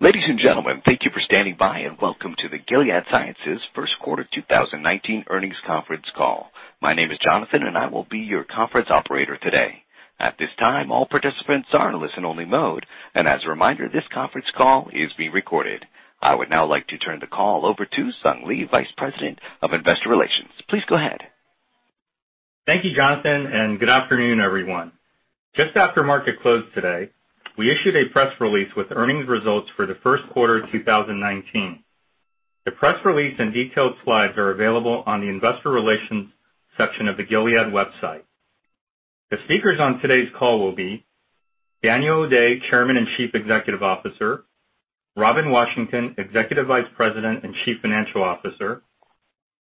Ladies and gentlemen, thank you for standing by, and welcome to the Gilead Sciences first quarter 2019 earnings conference call. My name is Jonathan, and I will be your conference operator today. At this time, all participants are in listen-only mode. As a reminder, this conference call is being recorded. I would now like to turn the call over to Sung Lee, Vice President of Investor Relations. Please go ahead. Thank you, Jonathan, and good afternoon, everyone. Just after market close today, we issued a press release with earnings results for the first quarter 2019. The press release and detailed slides are available on the investor relations section of the gilead website. The speakers on today's call will be Daniel O'Day, Chairman and Chief Executive Officer, Robin Washington, Executive Vice President and Chief Financial Officer,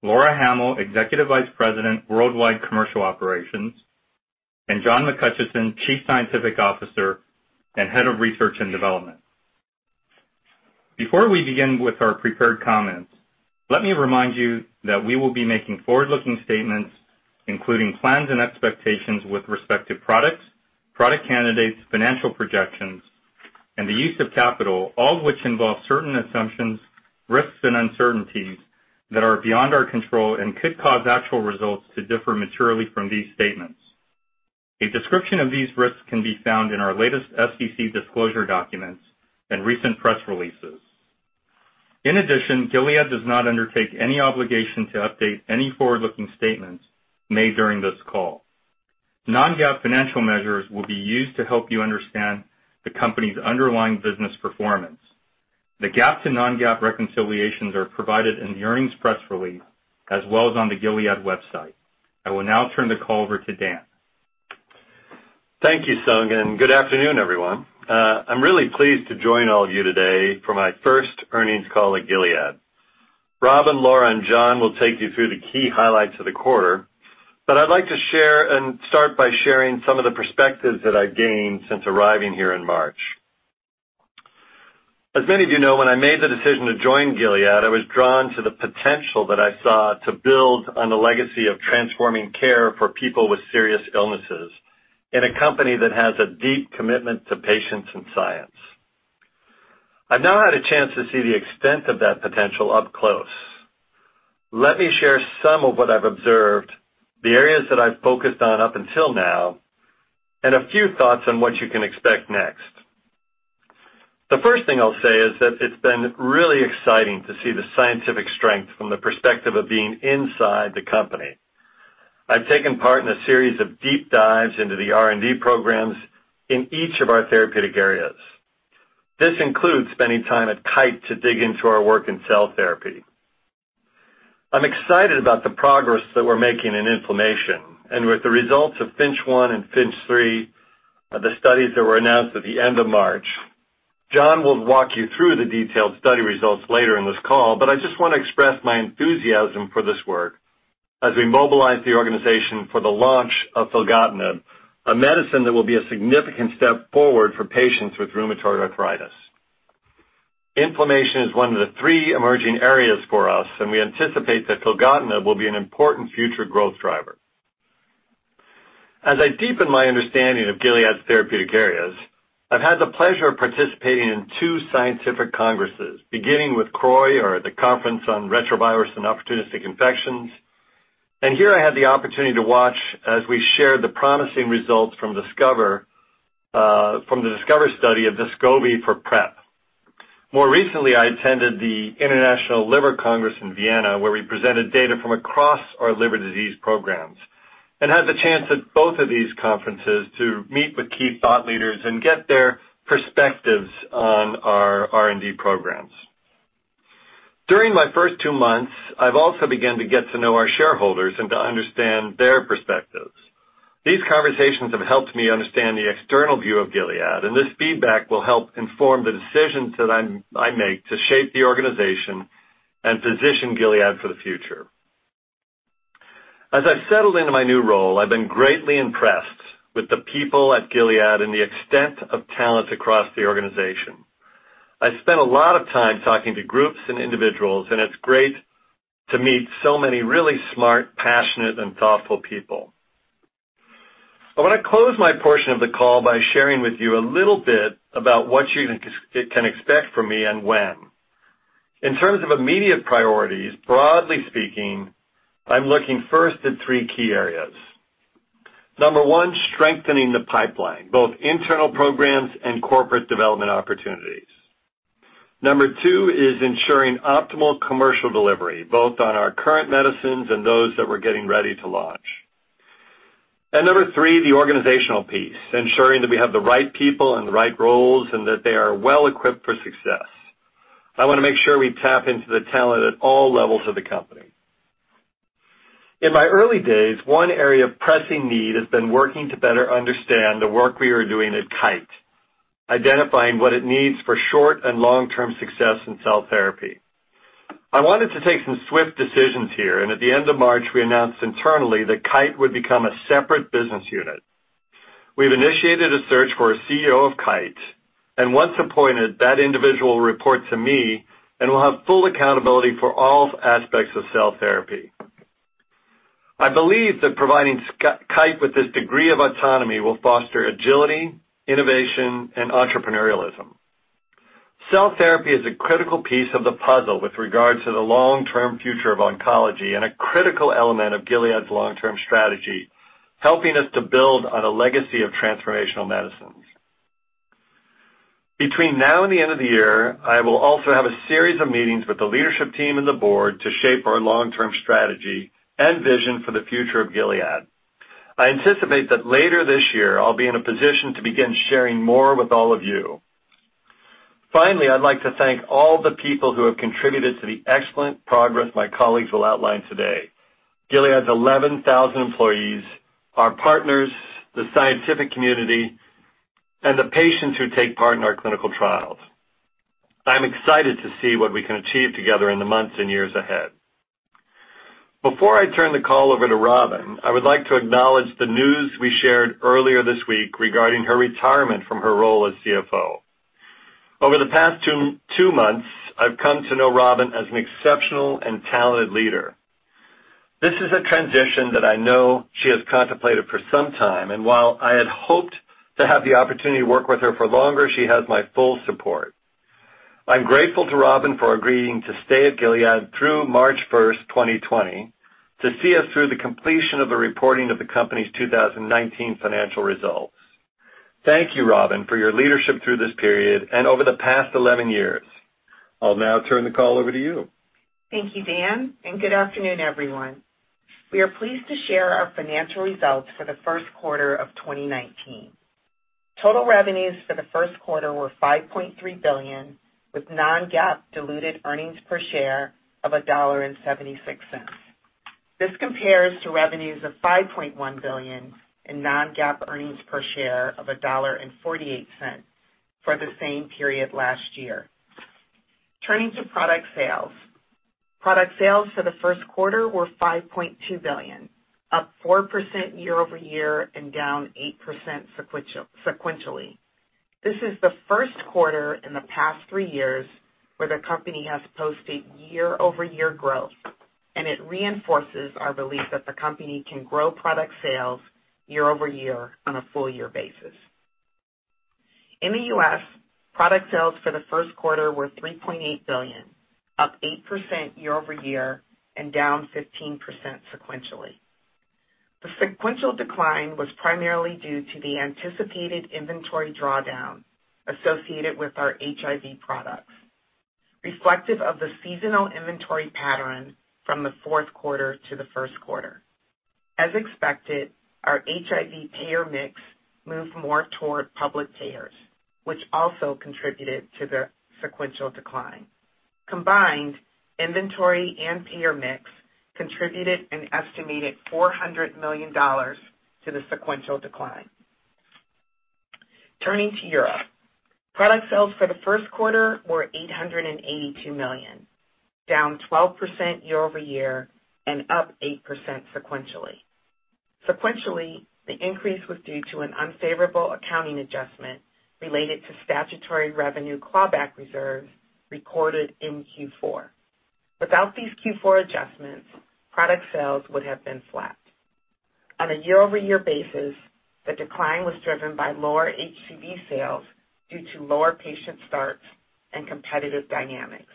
Laura Hamill, Executive Vice President, Worldwide Commercial Operations, and John McHutchison, Chief Scientific Officer and Head of Research and Development. Before we begin with our prepared comments, let me remind you that we will be making forward-looking statements, including plans and expectations with respect to products, product candidates, financial projections, and the use of capital, all of which involve certain assumptions, risks, and uncertainties that are beyond our control and could cause actual results to differ materially from these statements. A description of these risks can be found in our latest SEC disclosure documents and recent press releases. Gilead does not undertake any obligation to update any forward-looking statements made during this call. Non-GAAP financial measures will be used to help you understand the company's underlying business performance. The GAAP to non-GAAP reconciliations are provided in the earnings press release as well as on the gilead website. I will now turn the call over to Dan. Thank you, Sung, and good afternoon, everyone. I'm really pleased to join all of you today for my first earnings call at Gilead. Robin, Laura, and John will take you through the key highlights of the quarter. I'd like to start by sharing some of the perspectives that I've gained since arriving here in March. Many of you know, when I made the decision to join Gilead, I was drawn to the potential that I saw to build on the legacy of transforming care for people with serious illnesses in a company that has a deep commitment to patients and science. I've now had a chance to see the extent of that potential up close. Let me share some of what I've observed, the areas that I've focused on up until now, and a few thoughts on what you can expect next. The first thing I'll say is that it's been really exciting to see the scientific strength from the perspective of being inside the company. I've taken part in a series of deep dives into the R&D programs in each of our therapeutic areas. This includes spending time at Kite to dig into our work in cell therapy. I'm excited about the progress that we're making in inflammation and with the results of FINCH 1 and FINCH 3, the studies that were announced at the end of March. John will walk you through the detailed study results later in this call, but I just want to express my enthusiasm for this work as we mobilize the organization for the launch of filgotinib, a medicine that will be a significant step forward for patients with rheumatoid arthritis. Inflammation is one of the three emerging areas for us, and we anticipate that filgotinib will be an important future growth driver. As I deepen my understanding of Gilead's therapeutic areas, I've had the pleasure of participating in two scientific congresses, beginning with CROI, or the Conference on Retroviruses and Opportunistic Infections. Here I had the opportunity to watch as we shared the promising results from the DISCOVER study of Descovy for PrEP. More recently, I attended the International Liver Congress in Vienna, where we presented data from across our liver disease programs and had the chance at both of these conferences to meet with key thought leaders and get their perspectives on our R&D programs. During my first two months, I've also begun to get to know our shareholders and to understand their perspectives. These conversations have helped me understand the external view of Gilead, this feedback will help inform the decisions that I make to shape the organization and position Gilead for the future. As I've settled into my new role, I've been greatly impressed with the people at Gilead and the extent of talent across the organization. I spent a lot of time talking to groups and individuals, and it's great to meet so many really smart, passionate, and thoughtful people. I want to close my portion of the call by sharing with you a little bit about what you can expect from me and when. In terms of immediate priorities, broadly speaking, I'm looking first at three key areas. Number one, strengthening the pipeline, both internal programs and corporate development opportunities. Number two is ensuring optimal commercial delivery, both on our current medicines and those that we're getting ready to launch. Number three, the organizational piece, ensuring that we have the right people and the right roles, and that they are well-equipped for success. I want to make sure we tap into the talent at all levels of the company. In my early days, one area of pressing need has been working to better understand the work we are doing at Kite, identifying what it needs for short and long-term success in cell therapy. I wanted to take some swift decisions here, and at the end of March, we announced internally that Kite would become a separate business unit. We've initiated a search for a CEO of Kite. Once appointed, that individual will report to me and will have full accountability for all aspects of cell therapy. I believe that providing Kite with this degree of autonomy will foster agility, innovation, and entrepreneurialism. Cell therapy is a critical piece of the puzzle with regards to the long-term future of oncology and a critical element of Gilead's long-term strategy, helping us to build on a legacy of transformational medicines. Between now and the end of the year, I will also have a series of meetings with the leadership team and the board to shape our long-term strategy and vision for the future of Gilead. I anticipate that later this year, I'll be in a position to begin sharing more with all of you. Finally, I'd like to thank all the people who have contributed to the excellent progress my colleagues will outline today, Gilead's 11,000 employees, our partners, the scientific community, and the patients who take part in our clinical trials. I'm excited to see what we can achieve together in the months and years ahead. Before I turn the call over to Robin, I would like to acknowledge the news we shared earlier this week regarding her retirement from her role as CFO. Over the past two months, I've come to know Robin as an exceptional and talented leader. This is a transition that I know she has contemplated for some time. While I had hoped to have the opportunity to work with her for longer, she has my full support. I'm grateful to Robin for agreeing to stay at Gilead through March first, 2020, to see us through the completion of the reporting of the company's 2019 financial results. Thank you, Robin, for your leadership through this period and over the past 11 years. I'll now turn the call over to you. Thank you, Dan. Good afternoon, everyone. We are pleased to share our financial results for the first quarter of 2019. Total revenues for the first quarter were $5.3 billion, with non-GAAP diluted earnings per share of $1.76. This compares to revenues of $5.1 billion in non-GAAP earnings per share of $1.48 for the same period last year. Turning to product sales. Product sales for the first quarter were $5.2 billion, up 4% year-over-year and down 8% sequentially. This is the first quarter in the past three years where the company has posted year-over-year growth. It reinforces our belief that the company can grow product sales year-over-year on a full year basis. In the U.S., product sales for the first quarter were $3.8 billion, up 8% year-over-year and down 15% sequentially. The sequential decline was primarily due to the anticipated inventory drawdown associated with our HIV products, reflective of the seasonal inventory pattern from the fourth quarter to the first quarter. As expected, our HIV payer mix moved more toward public payers, which also contributed to the sequential decline. Combined, inventory and payer mix contributed an estimated $400 million to the sequential decline. Turning to Europe. Product sales for the first quarter were $882 million, down 12% year-over-year and up 8% sequentially. Sequentially, the increase was due to an unfavorable accounting adjustment related to statutory revenue clawback reserves recorded in Q4. Without these Q4 adjustments, product sales would have been flat. On a year-over-year basis, the decline was driven by lower HCV sales due to lower patient starts and competitive dynamics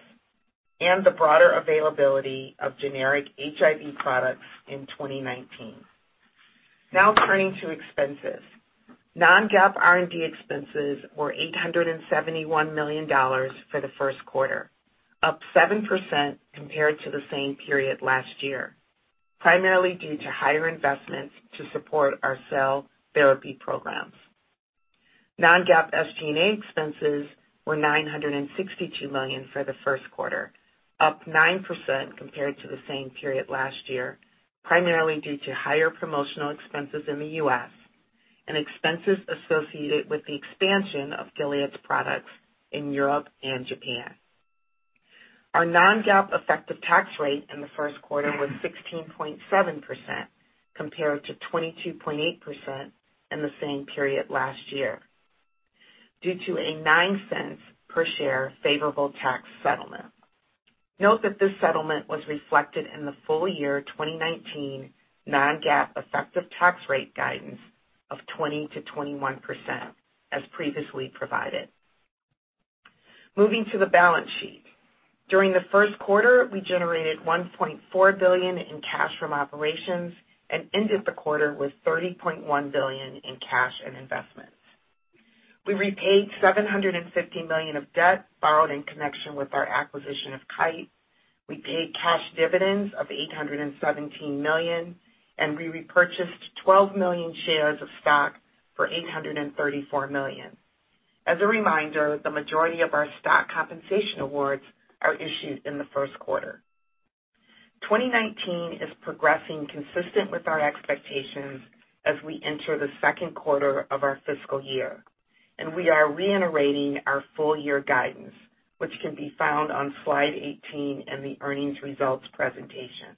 and the broader availability of generic HIV products in 2019. Turning to expenses. Non-GAAP R&D expenses were $871 million for the first quarter, up 7% compared to the same period last year, primarily due to higher investments to support our cell therapy programs. Non-GAAP SG&A expenses were $962 million for the first quarter, up 9% compared to the same period last year, primarily due to higher promotional expenses in the U.S. and expenses associated with the expansion of Gilead Sciences's products in Europe and Japan. Our non-GAAP effective tax rate in the first quarter was 16.7%, compared to 22.8% in the same period last year due to a $0.09 per share favorable tax settlement. Note that this settlement was reflected in the full year 2019 non-GAAP effective tax rate guidance of 20%-21% as previously provided. Moving to the balance sheet. During the first quarter, we generated $1.4 billion in cash from operations and ended the quarter with $30.1 billion in cash and investments. We repaid $750 million of debt borrowed in connection with our acquisition of Kite. We paid cash dividends of $817 million, and we repurchased 12 million shares of stock for $834 million. As a reminder, the majority of our stock compensation awards are issued in the first quarter. 2019 is progressing consistent with our expectations as we enter the second quarter of our fiscal year, and we are reiterating our full year guidance, which can be found on slide 18 in the earnings results presentation.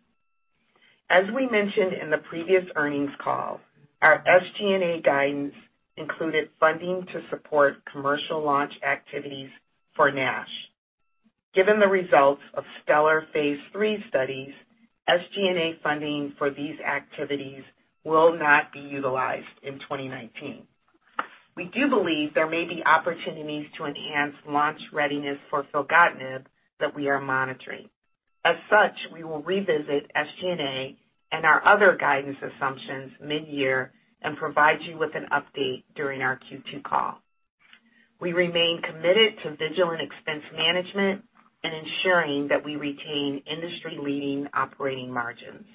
As we mentioned in the previous earnings call, our SG&A guidance included funding to support commercial launch activities for NASH. Given the results of STELLAR phase III studies, SG&A funding for these activities will not be utilized in 2019. We do believe there may be opportunities to enhance launch readiness for filgotinib that we are monitoring. As such, we will revisit SG&A and our other guidance assumptions mid-year and provide you with an update during our Q2 call. We remain committed to vigilant expense management and ensuring that we retain industry-leading operating margins.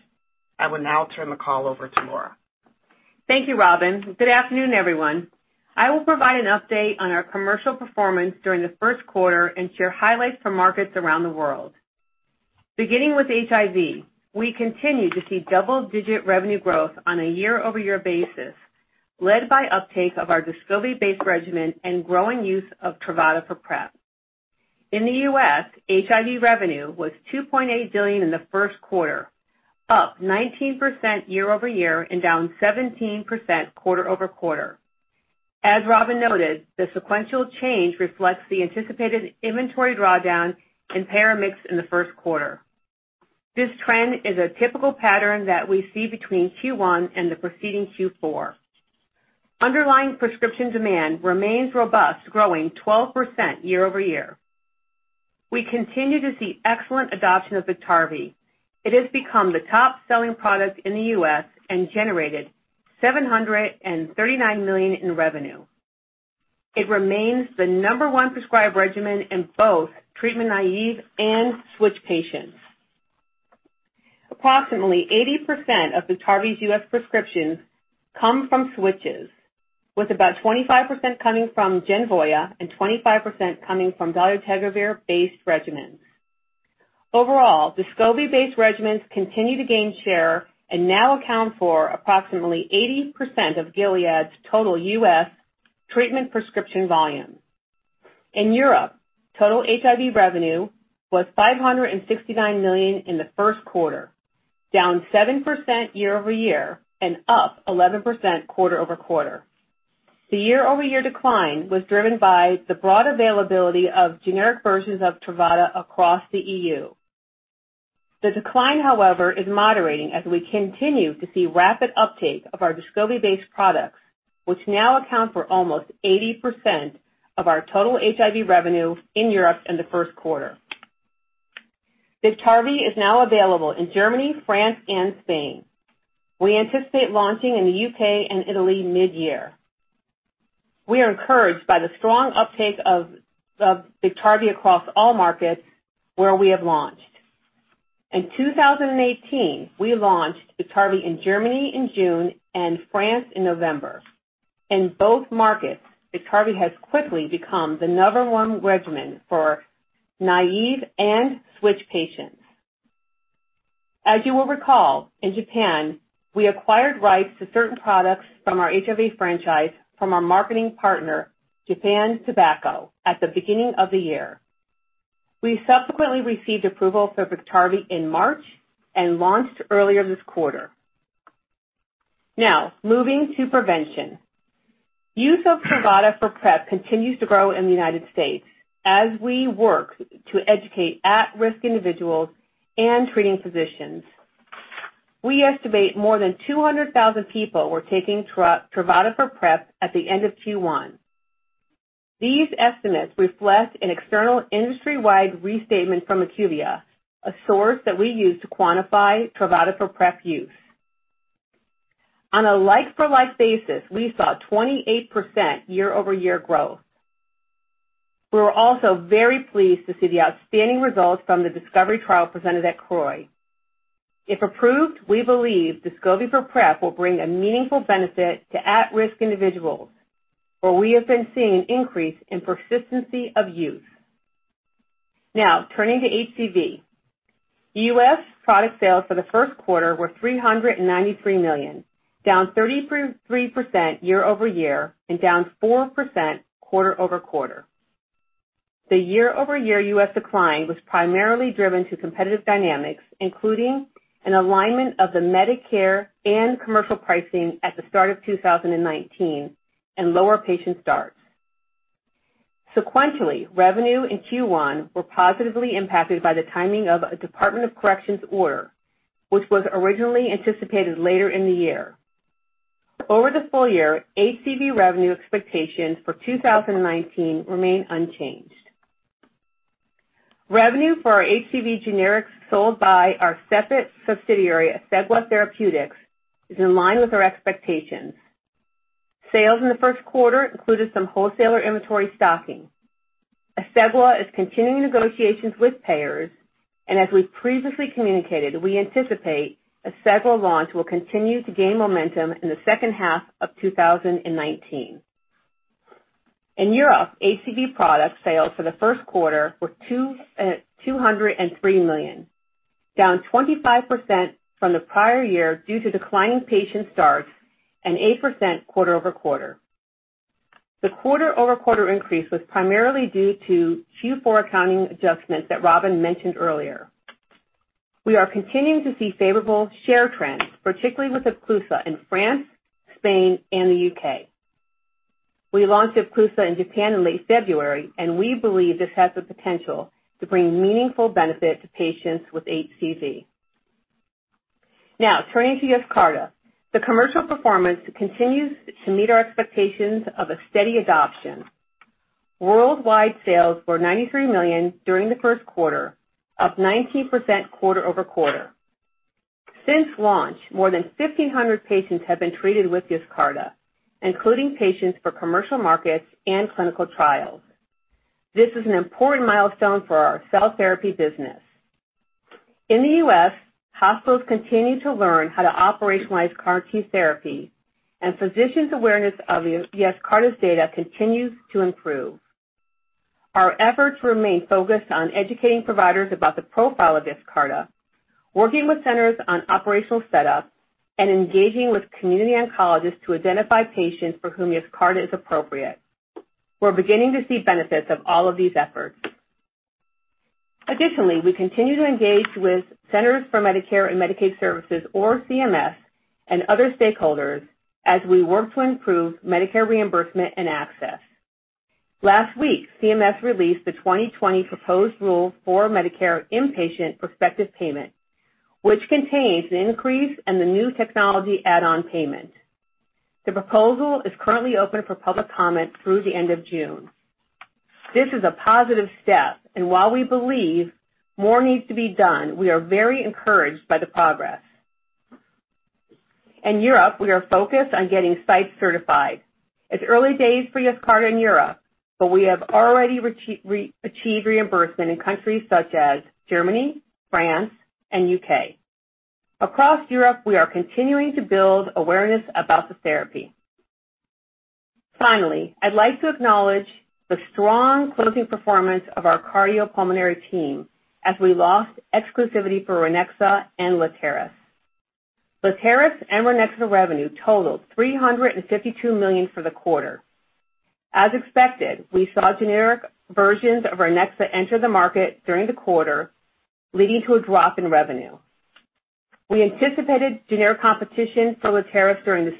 I will now turn the call over to Laura. Thank you, Robin. Good afternoon, everyone. I will provide an update on our commercial performance during the first quarter and share highlights from markets around the world. Beginning with HIV, we continue to see double-digit revenue growth on a year-over-year basis, led by uptake of our Descovy-based regimen and growing use of Truvada for PrEP. In the U.S., HIV revenue was $2.8 billion in the first quarter, up 19% year-over-year and down 17% quarter-over-quarter. As Robin noted, the sequential change reflects the anticipated inventory drawdown and payer mix in the first quarter. This trend is a typical pattern that we see between Q1 and the preceding Q4. Underlying prescription demand remains robust, growing 12% year-over-year. We continue to see excellent adoption of Biktarvy. It has become the top-selling product in the U.S. and generated $739 million in revenue. It remains the number one prescribed regimen in both treatment-naive and switch patients. Approximately 80% of Biktarvy's U.S. prescriptions come from switches, with about 25% coming from Genvoya and 25% coming from dolutegravir-based regimens. Overall, Descovy-based regimens continue to gain share and now account for approximately 80% of Gilead's total U.S. treatment prescription volume. In Europe, total HIV revenue was $569 million in the first quarter, down 7% year-over-year and up 11% quarter-over-quarter. The year-over-year decline was driven by the broad availability of generic versions of Truvada across the EU. The decline, however, is moderating as we continue to see rapid uptake of our Descovy-based products, which now account for almost 80% of our total HIV revenue in Europe in the first quarter. Biktarvy is now available in Germany, France, and Spain. We anticipate launching in the U.K. and Italy mid-year. We are encouraged by the strong uptake of Biktarvy across all markets where we have launched. In 2018, we launched Biktarvy in Germany in June and France in November. In both markets, Biktarvy has quickly become the number one regimen for naive and switch patients. As you will recall, in Japan, we acquired rights to certain products from our HIV franchise from our marketing partner, Japan Tobacco, at the beginning of the year. We subsequently received approval for Biktarvy in March and launched earlier this quarter. Moving to prevention. Use of Truvada for PrEP continues to grow in the U.S. as we work to educate at-risk individuals and treating physicians. We estimate more than 200,000 people were taking Truvada for PrEP at the end of Q1. These estimates reflect an external industry-wide restatement from IQVIA, a source that we use to quantify Truvada for PrEP use. On a like-for-like basis, we saw 28% year-over-year growth. We were also very pleased to see the outstanding results from the DISCOVER trial presented at CROI. If approved, we believe Descovy for PrEP will bring a meaningful benefit to at-risk individuals, where we have been seeing increase in persistency of use. Turning to HCV. U.S. product sales for the first quarter were $393 million, down 33% year-over-year and down 4% quarter-over-quarter. The year-over-year U.S. decline was primarily driven to competitive dynamics, including an alignment of the Medicare and commercial pricing at the start of 2019 and lower patient starts. Sequentially, revenue in Q1 were positively impacted by the timing of a Department of Corrections order, which was originally anticipated later in the year. Over the full year, HCV revenue expectations for 2019 remain unchanged. Revenue for our HCV generics sold by our separate subsidiary, Asegua Therapeutics, is in line with our expectations. Sales in the first quarter included some wholesaler inventory stocking. Asegua is continuing negotiations with payers. As we've previously communicated, we anticipate Asegua launch will continue to gain momentum in the second half of 2019. In Europe, HCV product sales for the first quarter were $203 million, down 25% from the prior year due to declining patient starts. 8% quarter-over-quarter. The quarter-over-quarter increase was primarily due to Q4 accounting adjustments that Robin mentioned earlier. We are continuing to see favorable share trends, particularly with Epclusa in France, Spain, and the U.K. We launched Hepcludex in Japan in late February. We believe this has the potential to bring meaningful benefit to patients with HCC. Now, turning to Yescarta. The commercial performance continues to meet our expectations of a steady adoption. Worldwide sales were $93 million during the first quarter, up 19% quarter-over-quarter. Since launch, more than 1,500 patients have been treated with Yescarta, including patients for commercial markets and clinical trials. This is an important milestone for our cell therapy business. In the U.S., hospitals continue to learn how to operationalize CAR T therapy. Physicians' awareness of Yescarta's data continues to improve. Our efforts remain focused on educating providers about the profile of Yescarta, working with centers on operational setup. Engaging with community oncologists to identify patients for whom Yescarta is appropriate. We're beginning to see benefits of all of these efforts. Additionally, we continue to engage with centers for Medicare and Medicaid services, or CMS, and other stakeholders as we work to improve Medicare reimbursement and access. Last week, CMS released the 2020 proposed rule for Medicare inpatient prospective payment, which contains an increase in the new technology add-on payment. The proposal is currently open for public comment through the end of June. This is a positive step. While we believe more needs to be done, we are very encouraged by the progress. In Europe, we are focused on getting sites certified. It's early days for Yescarta in Europe. We have already achieved reimbursement in countries such as Germany, France, and U.K. Across Europe, we are continuing to build awareness about the therapy. Finally, I'd like to acknowledge the strong closing performance of our cardiopulmonary team as we lost exclusivity for Ranexa and Letairis. Letairis and Ranexa revenue totaled $352 million for the quarter. As expected, we saw generic versions of Ranexa enter the market during the quarter, leading to a drop in revenue. We anticipated generic competition for Letairis during the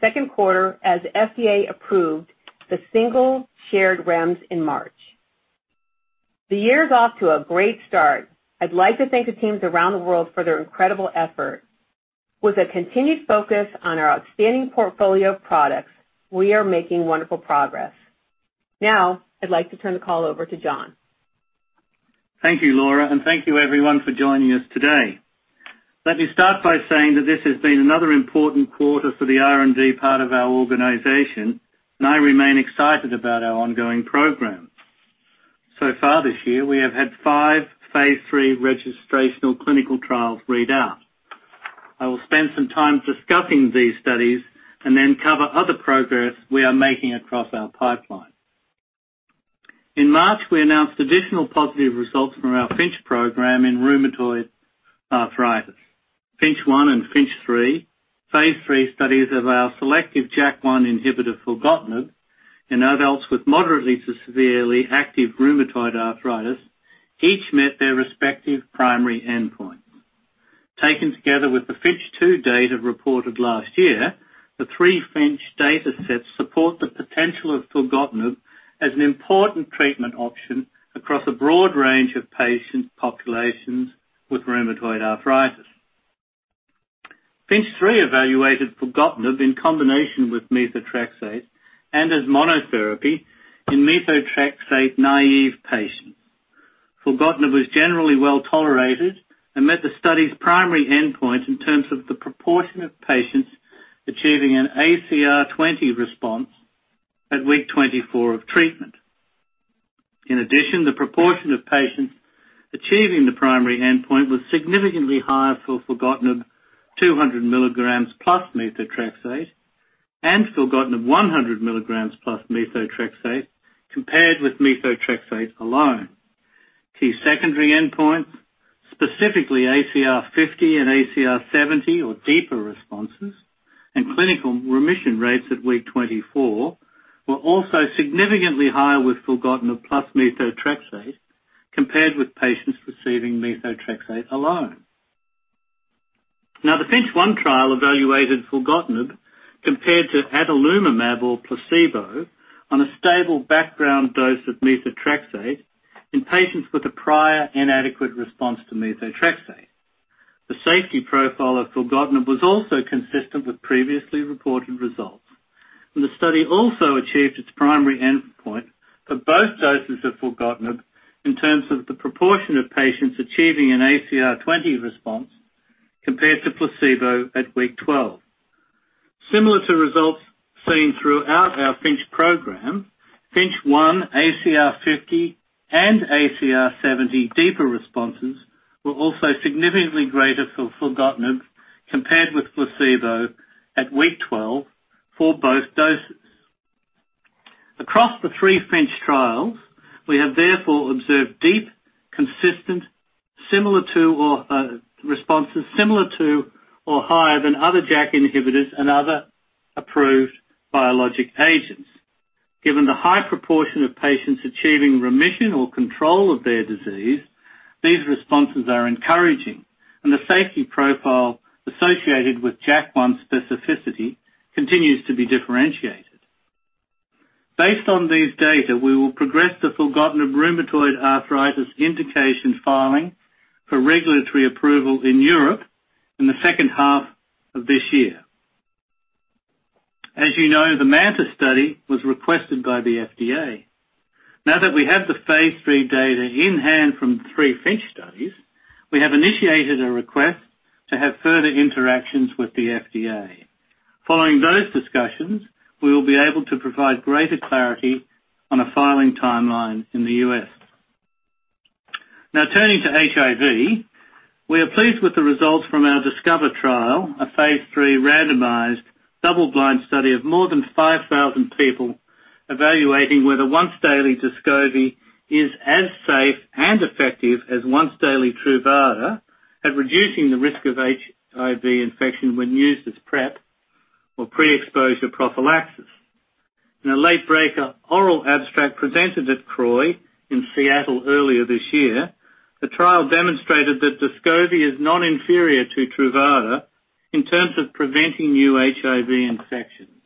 second quarter as FDA approved the single shared REMS in March. The year's off to a great start. I'd like to thank the teams around the world for their incredible effort. With a continued focus on our outstanding portfolio of products, we are making wonderful progress. Now, I'd like to turn the call over to John. Thank you, Laura, and thank you everyone for joining us today. Let me start by saying that this has been another important quarter for the R&D part of our organization, and I remain excited about our ongoing program. So far this year, we have had five phase III registrational clinical trials read out. I will spend some time discussing these studies and then cover other progress we are making across our pipeline. In March, we announced additional positive results from our FINCH program in rheumatoid arthritis. FINCH 1 and FINCH 3, phase III studies of our selective JAK1 inhibitor, filgotinib, in adults with moderately to severely active rheumatoid arthritis, each met their respective primary endpoint. Taken together with the FINCH 2 data reported last year, the three FINCH data sets support the potential of filgotinib as an important treatment option across a broad range of patient populations with rheumatoid arthritis. FINCH 3 evaluated filgotinib in combination with methotrexate and as monotherapy in methotrexate-naive patients. Filgotinib was generally well-tolerated and met the study's primary endpoint in terms of the proportion of patients achieving an ACR 20 response at week 24 of treatment. In addition, the proportion of patients achieving the primary endpoint was significantly higher for filgotinib 200 mg plus methotrexate and filgotinib 100 mg plus methotrexate compared with methotrexate alone. Key secondary endpoints, specifically ACR 50 and ACR 70 or deeper responses, and clinical remission rates at week 24, were also significantly higher with filgotinib plus methotrexate compared with patients receiving methotrexate alone. The FINCH 1 trial evaluated filgotinib compared to adalimumab or placebo on a stable background dose of methotrexate in patients with a prior inadequate response to methotrexate. The safety profile of filgotinib was also consistent with previously reported results, and the study also achieved its primary endpoint for both doses of filgotinib in terms of the proportion of patients achieving an ACR 20 response compared to placebo at week 12. Similar to results seen throughout our FINCH program, FINCH 1 ACR 50 and ACR 70 deeper responses were also significantly greater for filgotinib compared with placebo at week 12 for both doses. Across the three FINCH trials, we have therefore observed deep, consistent responses similar to or higher than other JAK inhibitors and other approved biologic agents. Given the high proportion of patients achieving remission or control of their disease. These responses are encouraging, and the safety profile associated with JAK1 specificity continues to be differentiated. Based on these data, we will progress the filgotinib rheumatoid arthritis indication filing for regulatory approval in Europe in the second half of this year. As you know, the MANTA study was requested by the FDA. Now that we have the phase III data in-hand from three FINCH studies, we have initiated a request to have further interactions with the FDA. Following those discussions, we will be able to provide greater clarity on a filing timeline in the U.S. Turning to HIV. We are pleased with the results from our DISCOVER trial, a phase III randomized double-blind study of more than 5,000 people evaluating whether once-daily Descovy is as safe and effective as once-daily Truvada at reducing the risk of HIV infection when used as PrEP or pre-exposure prophylaxis. In a late-breaker oral abstract presented at CROI in Seattle earlier this year, the trial demonstrated that Descovy is non-inferior to Truvada in terms of preventing new HIV infections,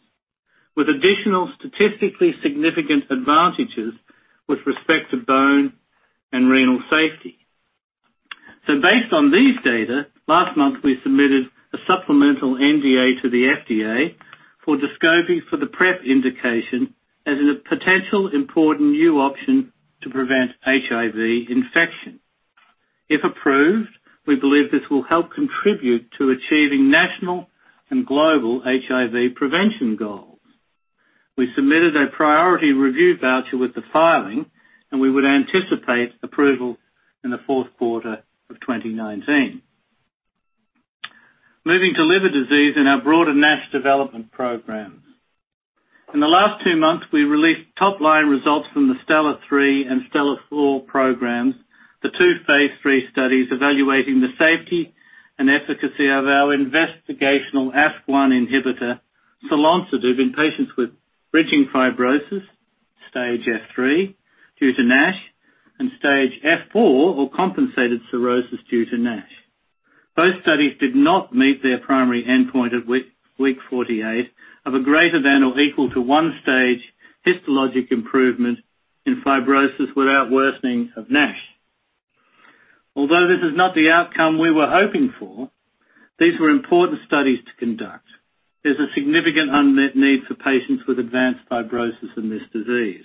with additional statistically significant advantages with respect to bone and renal safety. Based on these data, last month we submitted a supplemental NDA to the FDA for Descovy for the PrEP indication as a potential important new option to prevent HIV infection. If approved, we believe this will help contribute to achieving national and global HIV prevention goals. We submitted a priority review voucher with the filing, and we would anticipate approval in the fourth quarter of 2019. Moving to liver disease and our broader NASH development programs. In the last two months, we released top-line results from the STELLAR-3 and STELLAR-4 programs, the two phase III studies evaluating the safety and efficacy of our investigational ASK1 inhibitor, selonsertib, in patients with bridging fibrosis stage 3 due to NASH and stage 4 or compensated cirrhosis due to NASH. Both studies did not meet their primary endpoint at week 48 of a greater than or equal to one-stage histologic improvement in fibrosis without worsening of NASH. Although this is not the outcome we were hoping for, these were important studies to conduct. There's a significant unmet need for patients with advanced fibrosis in this disease.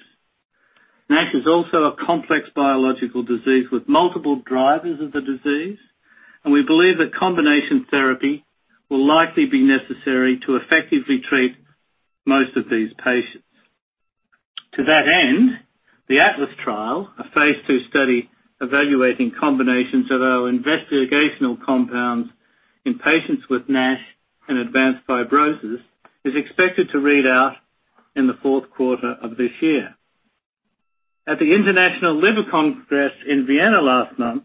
NASH is also a complex biological disease with multiple drivers of the disease, and we believe that combination therapy will likely be necessary to effectively treat most of these patients. To that end, the ATLAS trial, a phase II study evaluating combinations of our investigational compounds in patients with NASH and advanced fibrosis, is expected to read out in the fourth quarter of this year. At the International Liver Congress in Vienna last month,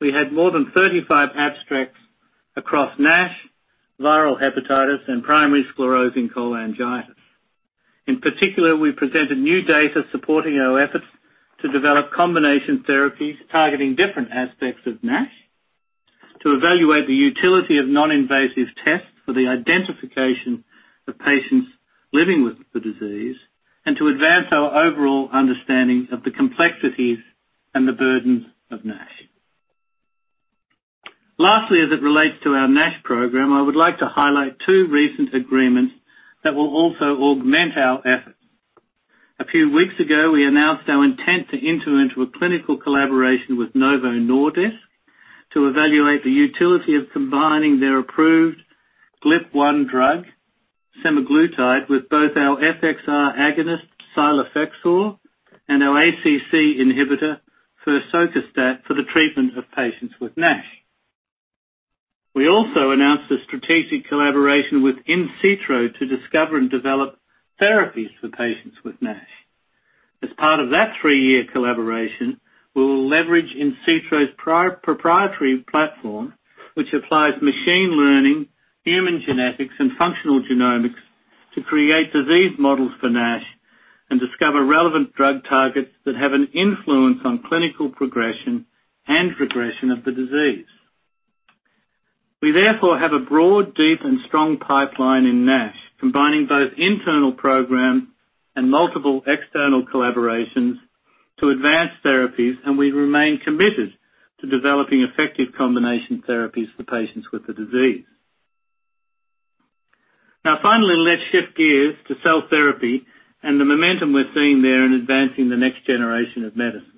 we had more than 35 abstracts across NASH, viral hepatitis, and primary sclerosing cholangitis. In particular, we presented new data supporting our efforts to develop combination therapies targeting different aspects of NASH, to evaluate the utility of non-invasive tests for the identification of patients living with the disease, and to advance our overall understanding of the complexities and the burdens of NASH. Lastly, as it relates to our NASH program, I would like to highlight two recent agreements that will also augment our efforts. A few weeks ago, we announced our intent to enter into a clinical collaboration with Novo Nordisk to evaluate the utility of combining their approved GLP-1 drug, semaglutide, with both our FXR agonist, cilofexor, and our ACC inhibitor, firsocostat, for the treatment of patients with NASH. We also announced a strategic collaboration with insitro to discover and develop therapies for patients with NASH. As part of that three-year collaboration, we will leverage insitro's proprietary platform, which applies machine learning, human genetics, and functional genomics to create disease models for NASH and discover relevant drug targets that have an influence on clinical progression and regression of the disease. We therefore have a broad, deep, and strong pipeline in NASH, combining both internal programs and multiple external collaborations to advance therapies, and we remain committed to developing effective combination therapies for patients with the disease. Finally, let's shift gears to cell therapy and the momentum we're seeing there in advancing the next generation of medicine.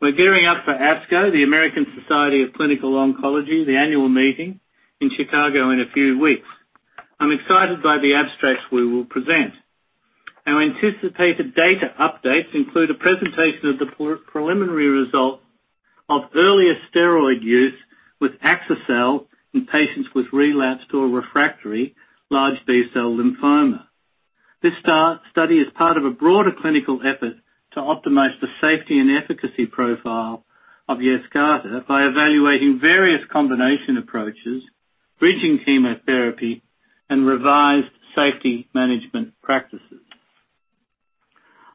We're gearing up for ASCO, the American Society of Clinical Oncology, the annual meeting in Chicago in a few weeks. I'm excited by the abstracts we will present. Our anticipated data updates include a presentation of the preliminary result of earlier steroid use with axicell in patients with relapsed or refractory large B-cell lymphoma. This study is part of a broader clinical effort to optimize the safety and efficacy profile of Yescarta by evaluating various combination approaches, bridging chemotherapy, and revised safety management practices.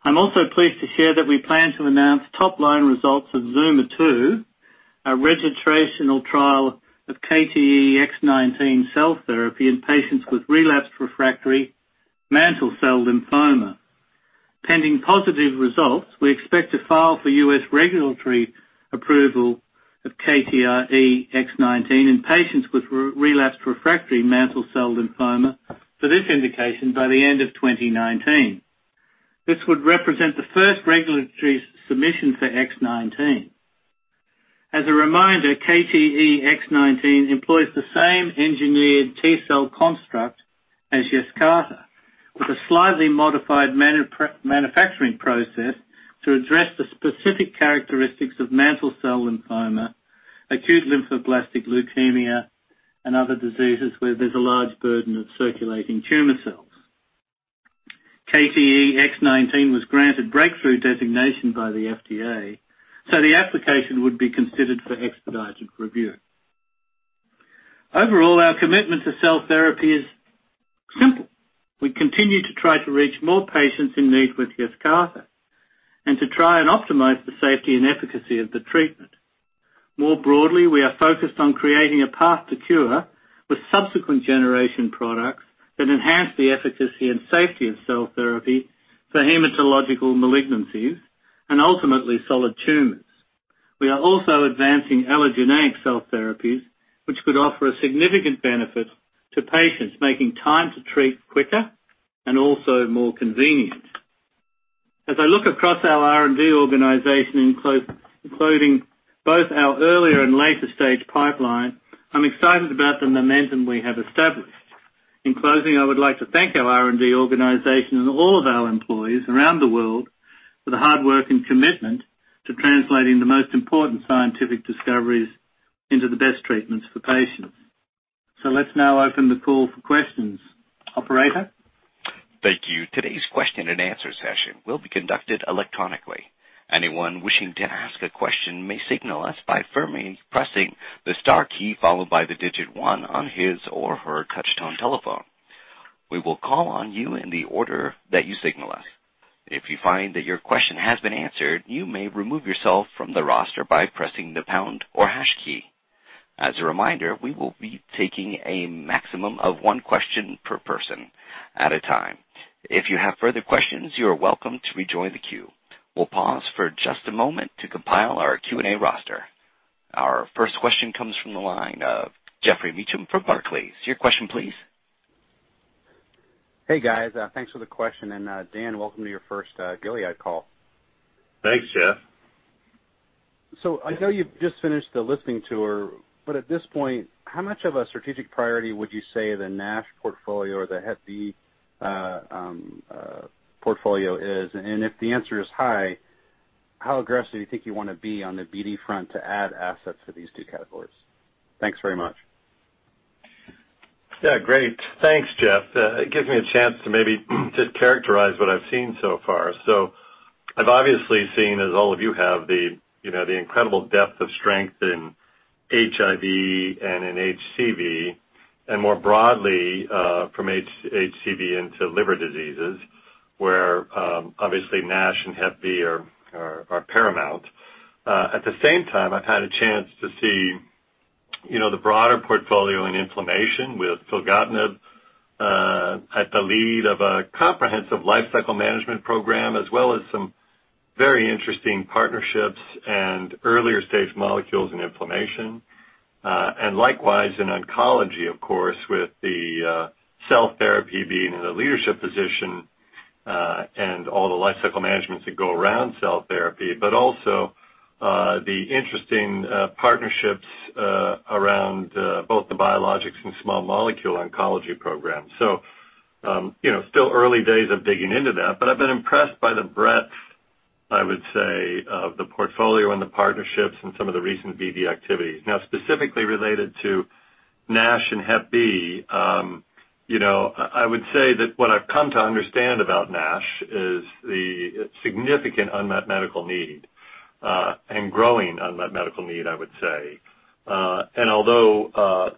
I'm also pleased to share that we plan to announce top-line results of ZUMA-2, a registrational trial of KTE-X19 cell therapy in patients with relapsed/refractory mantle cell lymphoma. Pending positive results, we expect to file for U.S. regulatory approval of KTE-X19 in patients with relapsed/refractory mantle cell lymphoma for this indication by the end of 2019. This would represent the first regulatory submission for X19. As a reminder, KTE-X19 employs the same engineered T-cell construct as Yescarta, with a slightly modified manufacturing process to address the specific characteristics of mantle cell lymphoma, acute lymphoblastic leukemia, and other diseases where there's a large burden of circulating tumor cells. KTE-X19 was granted breakthrough designation by the FDA, so the application would be considered for expedited review. Our commitment to cell therapy is simple. We continue to try to reach more patients in need with Yescarta and to try and optimize the safety and efficacy of the treatment. We are focused on creating a path to cure with subsequent generation products that enhance the efficacy and safety of cell therapy for hematological malignancies and ultimately solid tumors. We are also advancing allogeneic cell therapies, which could offer a significant benefit to patients, making time to treat quicker and also more convenient. As I look across our R&D organization, including both our earlier and later-stage pipeline, I'm excited about the momentum we have established. In closing, I would like to thank our R&D organization and all of our employees around the world for the hard work and commitment to translating the most important scientific discoveries into the best treatments for patients. Let's now open the call for questions. Operator? Thank you. Today's question and answer session will be conducted electronically. Anyone wishing to ask a question may signal us by firmly pressing the star key followed by the digit 1 on his or her touch-tone telephone. We will call on you in the order that you signal us. If you find that your question has been answered, you may remove yourself from the roster by pressing the pound or hash key. As a reminder, we will be taking a maximum of 1 question per person at a time. If you have further questions, you are welcome to rejoin the queue. We'll pause for just a moment to compile our Q&A roster. Our first question comes from the line of Geoffrey Meacham from Barclays. Your question please. Hey, guys. Thanks for the question. Dan, welcome to your first Gilead call. Thanks, Geoff. I know you've just finished the listening tour, at this point, how much of a strategic priority would you say the NASH portfolio or the Hep B portfolio is? If the answer is high, how aggressive do you think you want to be on the BD front to add assets for these two categories? Thanks very much. Yeah, great. Thanks, Geoff. It gives me a chance to maybe just characterize what I've seen so far. I've obviously seen, as all of you have, the incredible depth of strength in HIV and in HCV, more broadly from HCV into liver diseases, where obviously NASH and Hep B are paramount. At the same time, I've had a chance to see the broader portfolio in inflammation with filgotinib at the lead of a comprehensive lifecycle management program, as well as some very interesting partnerships and earlier-stage molecules in inflammation. Likewise, in oncology, of course, with the cell therapy being in a leadership position and all the lifecycle managements that go around cell therapy, also the interesting partnerships around both the biologics and small molecule oncology program. Still early days of digging into that, but I've been impressed by the breadth, I would say, of the portfolio and the partnerships and some of the recent BD activities. Specifically related to NASH and hep B, I would say that what I've come to understand about NASH is the significant unmet medical need, and growing unmet medical need, I would say. Although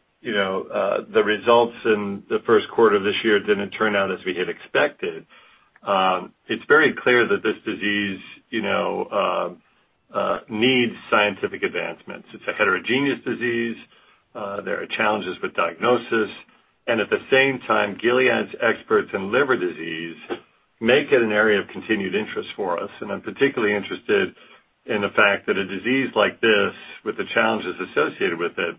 the results in the first quarter of this year didn't turn out as we had expected, it's very clear that this disease needs scientific advancements. It's a heterogeneous disease. There are challenges with diagnosis. At the same time, Gilead's experts in liver disease make it an area of continued interest for us. I'm particularly interested in the fact that a disease like this, with the challenges associated with it,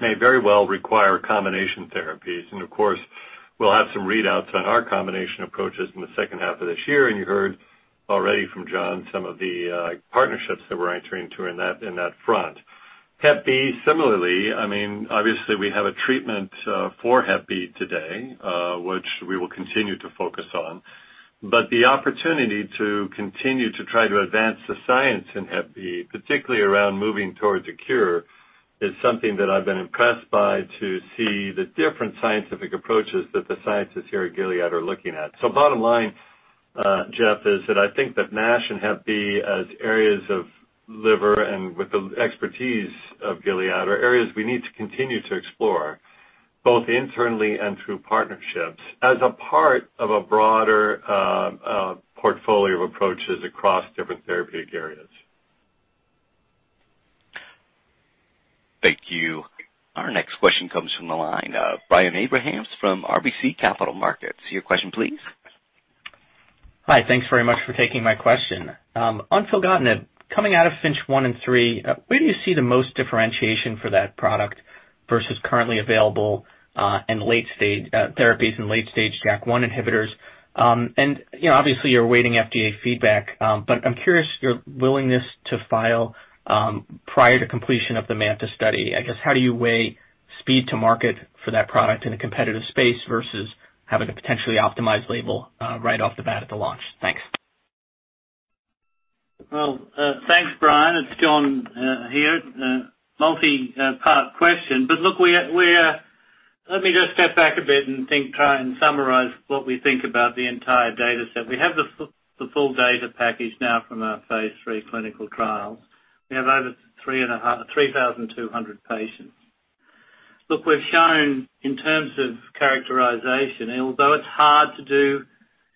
may very well require combination therapies. Of course, we'll have some readouts on our combination approaches in the second half of this year. You heard already from John some of the partnerships that we're entering into in that front. hep B, similarly, obviously we have a treatment for hep B today, which we will continue to focus on. The opportunity to continue to try to advance the science in hep B, particularly around moving towards a cure, is something that I've been impressed by to see the different scientific approaches that the scientists here at Gilead are looking at. Bottom line, Geoff, is that I think that NASH and hep B as areas of liver and with the expertise of Gilead are areas we need to continue to explore. Both internally and through partnerships as a part of a broader portfolio of approaches across different therapeutic areas. Thank you. Our next question comes from the line of Brian Abrahams from RBC Capital Markets. Your question, please. Hi. Thanks very much for taking my question. On filgotinib, coming out of FINCH 1 and 3, where do you see the most differentiation for that product versus currently available in late-stage therapies and late-stage JAK1 inhibitors? Obviously, you're awaiting FDA feedback, but I'm curious your willingness to file prior to completion of the MANTA study. I guess, how do you weigh speed to market for that product in a competitive space versus having a potentially optimized label right off the bat at the launch? Thanks. Well, thanks, Brian. It's John here. Multi-part question. Look, let me just step back a bit and think, try and summarize what we think about the entire data set. We have the full data package now from our phase III clinical trials. We have over 3,200 patients. Look, we've shown in terms of characterization, although it's hard to do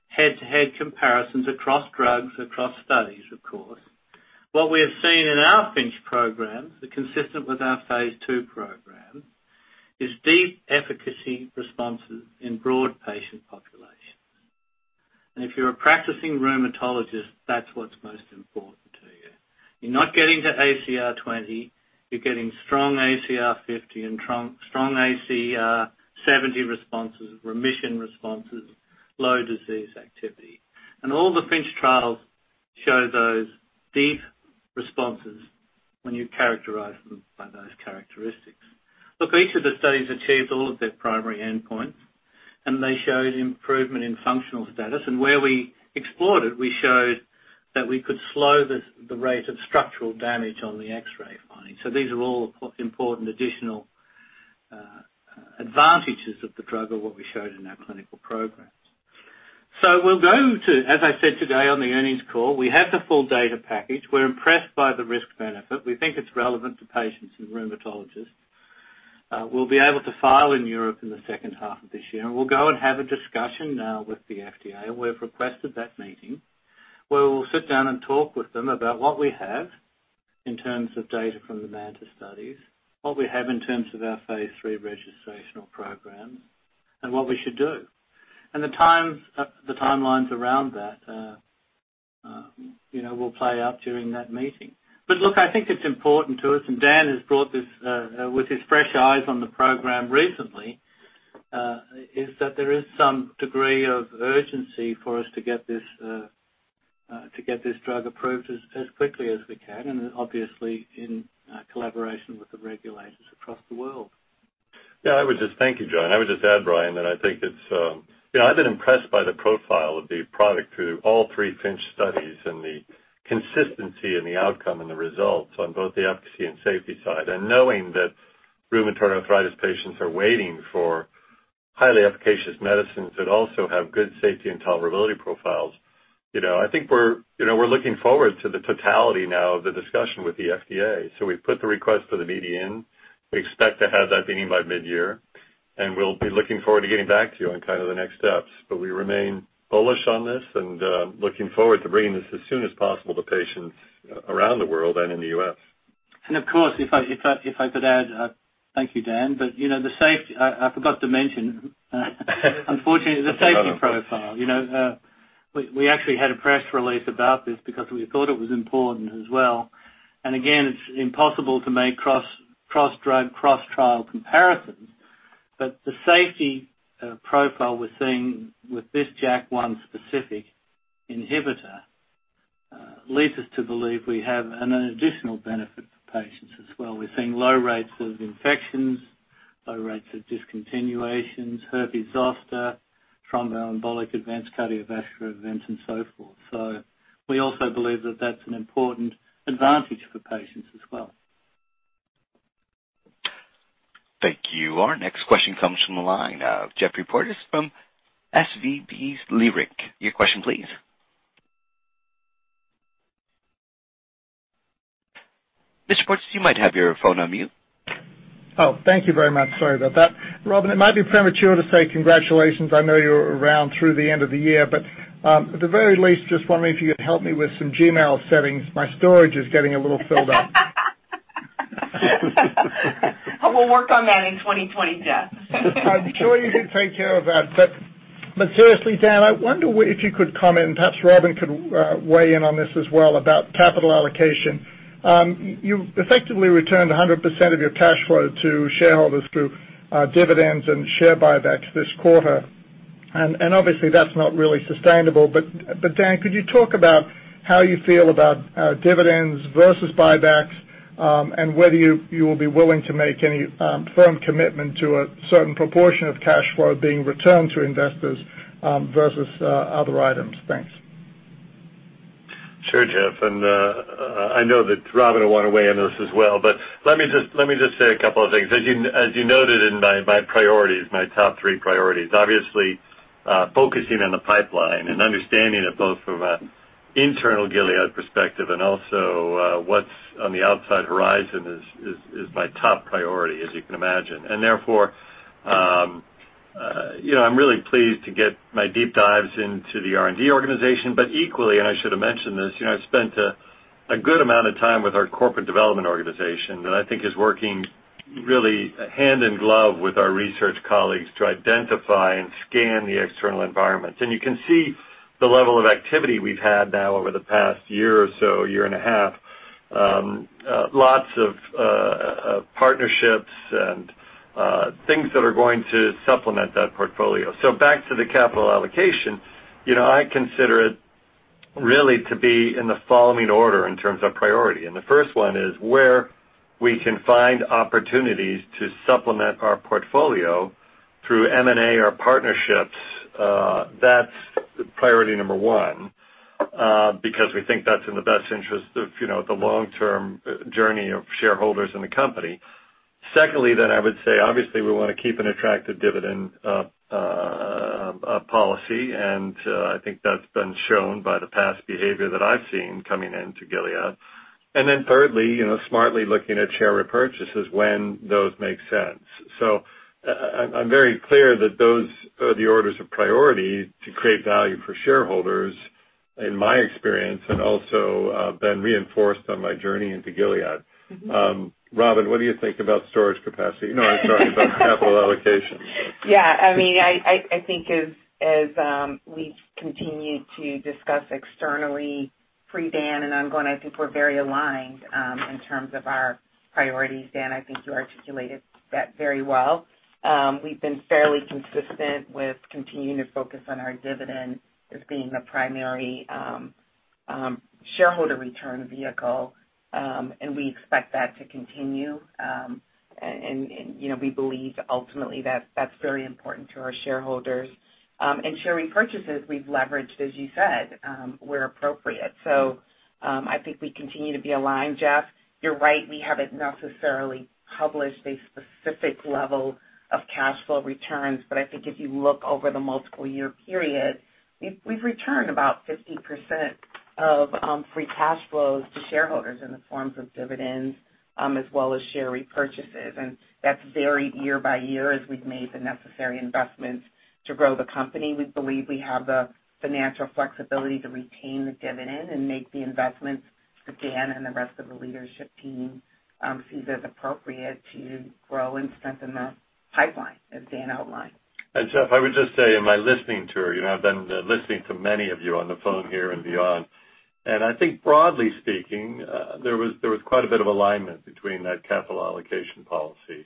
head-to-head comparisons across drugs, across studies, of course. What we have seen in our FINCH program, consistent with our phase II program, is deep efficacy responses in broad patient populations. If you're a practicing rheumatologist, that's what's most important to you. You're not getting to ACR 20, you're getting strong ACR 50 and strong ACR 70 responses, remission responses, low disease activity. All the FINCH trials show those deep responses when you characterize them by those characteristics. Look, each of the studies achieved all of their primary endpoints, they showed improvement in functional status. Where we explored it, we showed that we could slow the rate of structural damage on the X-ray finding. These are all important additional advantages of the drug of what we showed in our clinical programs. We'll go to, as I said today on the earnings call, we have the full data package. We're impressed by the risk benefit. We think it's relevant to patients and rheumatologists. We'll be able to file in Europe in the second half of this year, we'll go and have a discussion now with the FDA. We've requested that meeting, where we'll sit down and talk with them about what we have in terms of data from the MANTA studies, what we have in terms of our phase III registrational program, what we should do. The timelines around that will play out during that meeting. Look, I think it's important to us, Dan has brought this with his fresh eyes on the program recently, is that there is some degree of urgency for us to get this drug approved as quickly as we can, obviously in collaboration with the regulators across the world. Yeah. Thank you, John. I would just add, Brian, that I think I've been impressed by the profile of the product through all 3 FINCH studies, the consistency in the outcome, and the results on both the efficacy and safety side. Knowing that rheumatoid arthritis patients are waiting for highly efficacious medicines that also have good safety and tolerability profiles. I think we're looking forward to the totality now of the discussion with the FDA. We put the request for the meeting in. We expect to have that beginning by mid-year, we'll be looking forward to getting back to you on kind of the next steps. We remain bullish on this looking forward to bringing this as soon as possible to patients around the world and in the U.S. Of course, if I could add, thank you, Dan, I forgot to mention unfortunately, the safety profile. We actually had a press release about this because we thought it was important as well. Again, it's impossible to make cross-drug, cross-trial comparisons, but the safety profile we're seeing with this JAK1 specific inhibitor leads us to believe we have an additional benefit for patients as well. We're seeing low rates of infections, low rates of discontinuations, herpes zoster, thromboembolic advanced cardiovascular events, and so forth. We also believe that that's an important advantage for patients as well. Thank you. Our next question comes from the line of Geoffrey Porges from SVB Leerink. Your question, please. Mr. Porges, you might have your phone on mute. Thank you very much. Sorry about that. Robin, it might be premature to say congratulations. I know you're around through the end of the year, at the very least, just wondering if you could help me with some Gmail settings. My storage is getting a little filled up. We'll work on that in 2020, Geoff. I'm sure you can take care of that. Seriously, Dan, I wonder if you could comment, perhaps Robin could weigh in on this as well, about capital allocation. You effectively returned 100% of your cash flow to shareholders through dividends and share buybacks this quarter. Obviously, that's not really sustainable. Dan, could you talk about how you feel about dividends versus buybacks and whether you will be willing to make any firm commitment to a certain proportion of cash flow being returned to investors versus other items? Thanks. Sure, Geoff, I know that Robin will want to weigh in on this as well, but let me just say a couple of things. As you noted in my priorities, my top three priorities, obviouslyFocusing on the pipeline and understanding it both from an internal Gilead perspective and also what's on the outside horizon is my top priority, as you can imagine. Therefore, I'm really pleased to get my deep dives into the R&D organization. Equally, and I should have mentioned this, I've spent a good amount of time with our corporate development organization that I think is working really hand in glove with our research colleagues to identify and scan the external environment. You can see the level of activity we've had now over the past year or so, year and a half. Lots of partnerships and things that are going to supplement that portfolio. Back to the capital allocation. I consider it really to be in the following order in terms of priority. The first one is where we can find opportunities to supplement our portfolio through M&A or partnerships, that's priority number 1, because we think that's in the best interest of the long-term journey of shareholders in the company. Secondly, I would say, obviously, we want to keep an attractive dividend policy, and I think that's been shown by the past behavior that I've seen coming into Gilead. Thirdly, smartly looking at share repurchases when those make sense. I'm very clear that those are the orders of priority to create value for shareholders in my experience, and also been reinforced on my journey into Gilead. Robin, what do you think about storage capacity? No, I'm sorry, about capital allocation. Yeah. I think as we've continued to discuss externally pre-Dan and ongoing, I think we're very aligned in terms of our priorities. Dan, I think you articulated that very well. We've been fairly consistent with continuing to focus on our dividend as being the primary shareholder return vehicle. We expect that to continue. We believe ultimately that's very important to our shareholders. Share repurchases, we've leveraged, as you said, where appropriate. I think we continue to be aligned, Geoff. You're right, we haven't necessarily published a specific level of cash flow returns. I think if you look over the multiple-year period, we've returned about 50% of free cash flows to shareholders in the forms of dividends, as well as share repurchases. That's varied year by year as we've made the necessary investments to grow the company. We believe we have the financial flexibility to retain the dividend and make the investments that Dan and the rest of the leadership team sees as appropriate to grow and strengthen the pipeline, as Dan outlined. Geoff, I would just say in my listening tour, I've been listening to many of you on the phone here and beyond. I think broadly speaking, there was quite a bit of alignment between that capital allocation policy.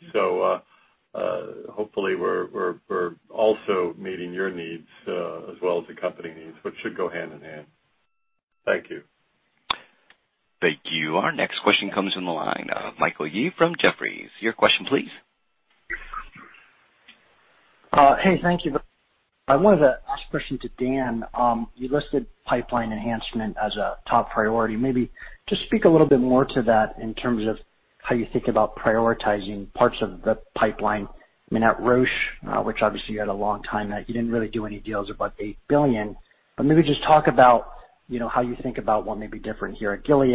Hopefully we're also meeting your needs, as well as the company needs, which should go hand in hand. Thank you. Thank you. Our next question comes from the line of Michael Yee from Jefferies. Your question please. Hey, thank you. I wanted to ask a question to Dan. You listed pipeline enhancement as a top priority. Maybe just speak a little bit more to that in terms of how you think about prioritizing parts of the pipeline. I mean, at Roche, which obviously you had a long time at, you didn't really do any deals above $8 billion. Maybe just talk about how you think about what may be different here at Gilead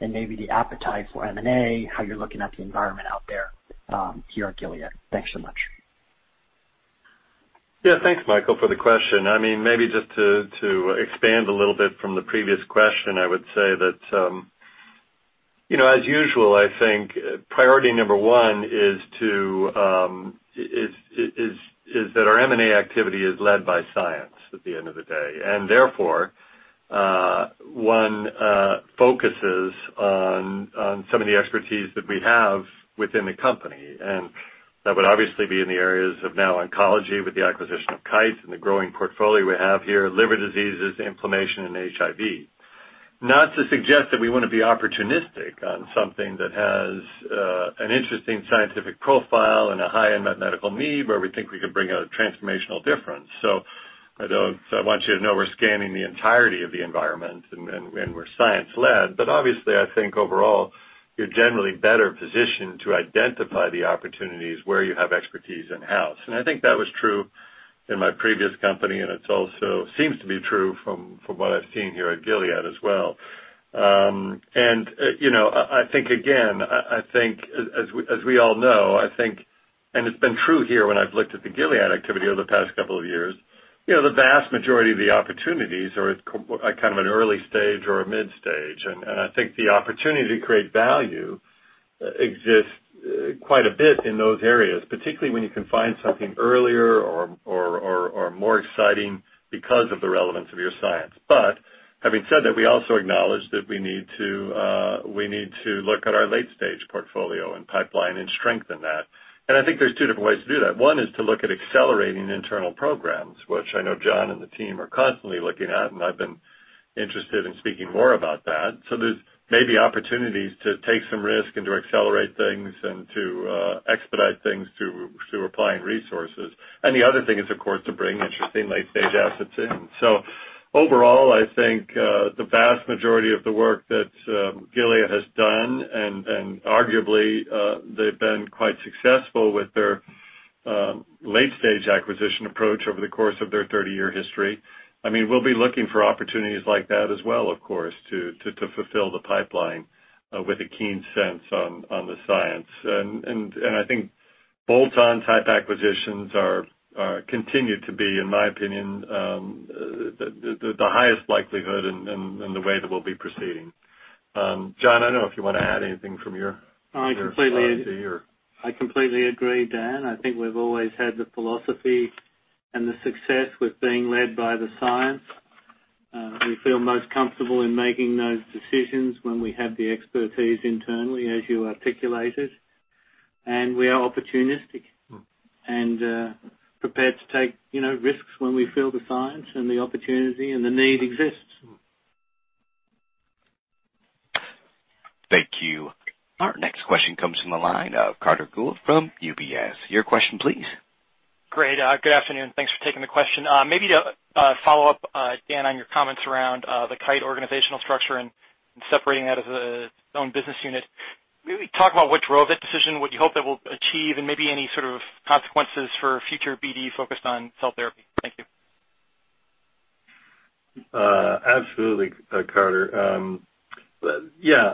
and maybe the appetite for M&A, how you're looking at the environment out there, here at Gilead. Thanks so much. Thanks, Michael, for the question. Maybe just to expand a little bit from the previous question, I would say that, as usual, I think priority number one is that our M&A activity is led by science at the end of the day. Therefore, one focuses on some of the expertise that we have within the company, and that would obviously be in the areas of now oncology with the acquisition of Kite and the growing portfolio we have here, liver diseases, inflammation, and HIV. Not to suggest that we want to be opportunistic on something that has an interesting scientific profile and a high unmet medical need where we think we can bring a transformational difference. I want you to know we're scanning the entirety of the environment and we're science-led. Obviously, I think overall, you're generally better positioned to identify the opportunities where you have expertise in-house. I think that was true in my previous company, and it also seems to be true from what I've seen here at Gilead as well. I think, again, as we all know, and it's been true here when I've looked at the Gilead activity over the past couple of years, the vast majority of the opportunities are at kind of an early stage or a mid-stage. I think the opportunity to create value exists quite a bit in those areas, particularly when you can find something earlier or more exciting because of the relevance of your science. Having said that, we also acknowledge that we need to look at our late-stage portfolio and pipeline and strengthen that. I think there's two different ways to do that. One is to look at accelerating internal programs, which I know John and the team are constantly looking at, and I've been interested in speaking more about that. There's maybe opportunities to take some risk and to accelerate things and to expedite things through applying resources. The other thing is, of course, to bring interesting late-stage assets in. Overall, I think the vast majority of the work that Gilead has done, and arguably, they've been quite successful with their late-stage acquisition approach over the course of their 30-year history. We'll be looking for opportunities like that as well, of course, to fulfill the pipeline with a keen sense on the science. I think bolt-on type acquisitions continue to be, in my opinion, the highest likelihood in the way that we'll be proceeding. John, I don't know if you want to add anything from your- I completely- side here I completely agree, Daniel O'Day. I think we've always had the philosophy and the success with being led by the science. We feel most comfortable in making those decisions when we have the expertise internally, as you articulated. We are opportunistic and prepared to take risks when we feel the science and the opportunity and the need exists. Thank you. Our next question comes from the line of Carter Gould from UBS. Your question please. Great. Good afternoon. Thanks for taking the question. Maybe to follow up, Dan, on your comments around the Kite organizational structure and separating that as its own business unit. Maybe talk about what drove that decision, what you hope that will achieve, and maybe any sort of consequences for future BD focused on cell therapy. Thank you. Absolutely, Carter. Yeah.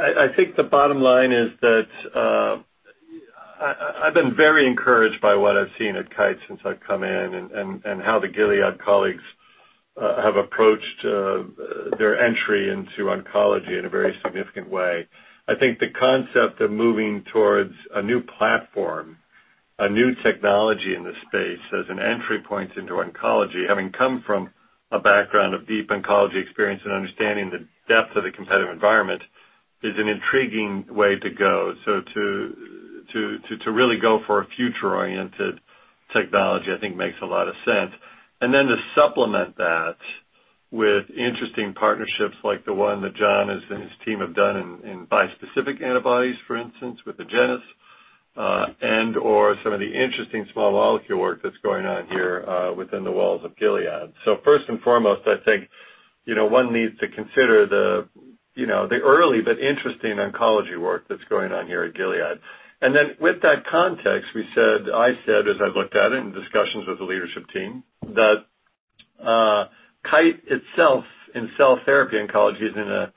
I think the bottom line is that I've been very encouraged by what I've seen at Kite since I've come in and how the Gilead colleagues have approached their entry into oncology in a very significant way. I think the concept of moving towards a new platform, a new technology in this space as an entry point into oncology, having come from a background of deep oncology experience and understanding the depth of the competitive environment, is an intriguing way to go. To really go for a future-oriented technology, I think makes a lot of sense. Then to supplement that with interesting partnerships like the one that John and his team have done in bispecific antibodies, for instance, with Agenus, or some of the interesting small molecule work that's going on here within the walls of Gilead. First and foremost, I think one needs to consider the early but interesting oncology work that's going on here at Gilead. Then with that context, I said, as I've looked at it in discussions with the leadership team, that Kite itself in cell therapy oncology is in an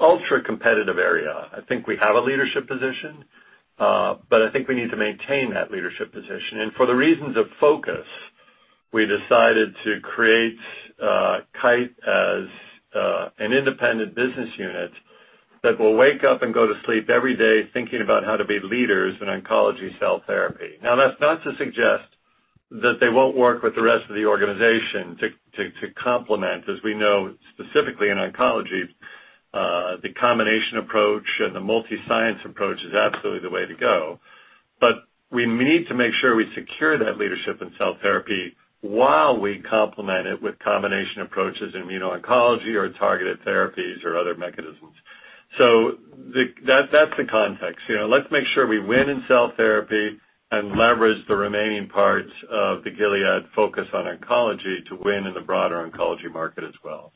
ultra-competitive area. I think we have a leadership position, but I think we need to maintain that leadership position. For the reasons of focus, we decided to create Kite as an independent business unit that will wake up and go to sleep every day thinking about how to be leaders in oncology cell therapy. Now, that's not to suggest that they won't work with the rest of the organization to complement. As we know, specifically in oncology, the combination approach and the multi-science approach is absolutely the way to go. We need to make sure we secure that leadership in cell therapy while we complement it with combination approaches in immuno-oncology or targeted therapies or other mechanisms. That's the context. Let's make sure we win in cell therapy and leverage the remaining parts of the Gilead focus on oncology to win in the broader oncology market as well.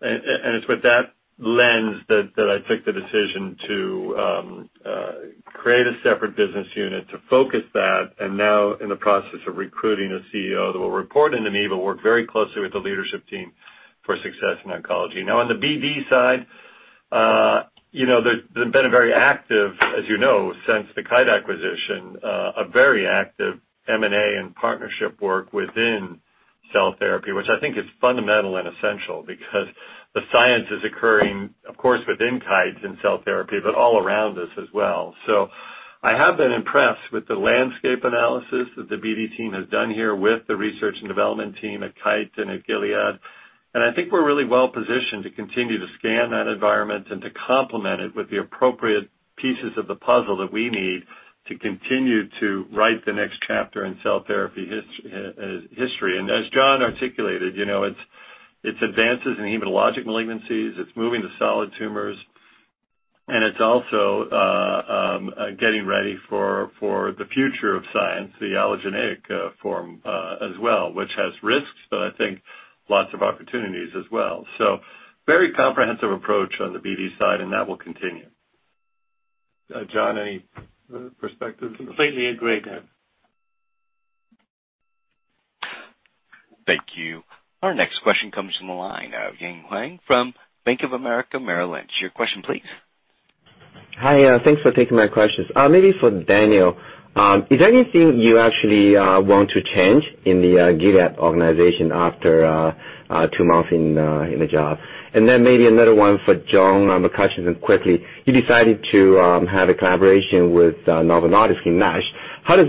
It's with that lens that I took the decision to create a separate business unit to focus that, and now in the process of recruiting a CEO that will report into me, but work very closely with the leadership team for success in oncology. Now, on the BD side, they've been very active, as you know, since the Kite acquisition. A very active M&A and partnership work within cell therapy, which I think is fundamental and essential because the science is occurring, of course, within Kite in cell therapy, but all around us as well. I have been impressed with the landscape analysis that the BD team has done here with the research and development team at Kite and at Gilead. I think we're really well-positioned to continue to scan that environment and to complement it with the appropriate pieces of the puzzle that we need to continue to write the next chapter in cell therapy history. As John articulated, it's advances in hematologic malignancies, it's moving to solid tumors, and it's also getting ready for the future of science, the allogeneic form as well, which has risks, but I think lots of opportunities as well. Very comprehensive approach on the BD side, and that will continue. John, any perspectives? Completely agree, Dan. Thank you. Our next question comes from the line of Ying Huang from Bank of America Merrill Lynch. Your question please. Hi. Thanks for taking my questions. Maybe for Daniel. Is there anything you actually want to change in the Gilead organization after two months in the job? Maybe another one for John. A question quickly. You decided to have a collaboration with Novo Nordisk in NASH. How does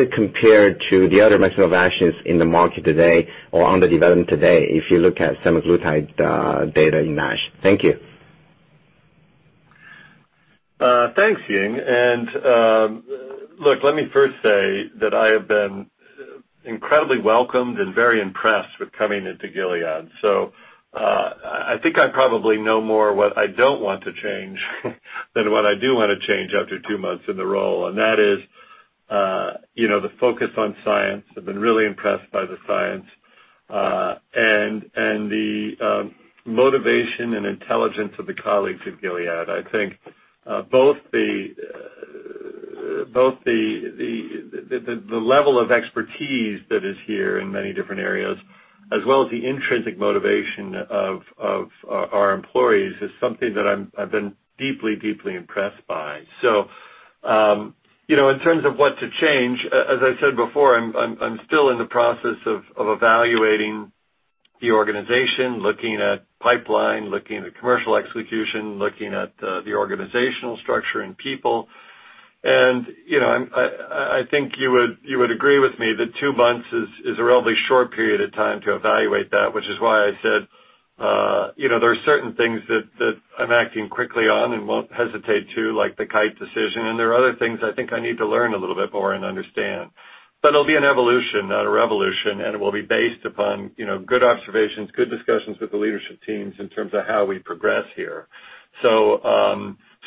it compare to the other medicinal vaccines in the market today or under development today if you look at semaglutide data in NASH? Thank you. Thanks, Ying. Look, let me first say that I have been incredibly welcomed and very impressed with coming into Gilead. I think I probably know more what I don't want to change than what I do want to change after two months in the role. That is the focus on science. I've been really impressed by the science, and the motivation and intelligence of the colleagues at Gilead. I think both the level of expertise that is here in many different areas, as well as the intrinsic motivation of our employees, is something that I've been deeply impressed by. In terms of what to change, as I said before, I'm still in the process of evaluating the organization, looking at pipeline, looking at commercial execution, looking at the organizational structure and people. I think you would agree with me that two months is a relatively short period of time to evaluate that, which is why I said there are certain things that I'm acting quickly on and won't hesitate to, like the Kite decision. There are other things I think I need to learn a little bit more and understand. It'll be an evolution, not a revolution, and it will be based upon good observations, good discussions with the leadership teams in terms of how we progress here.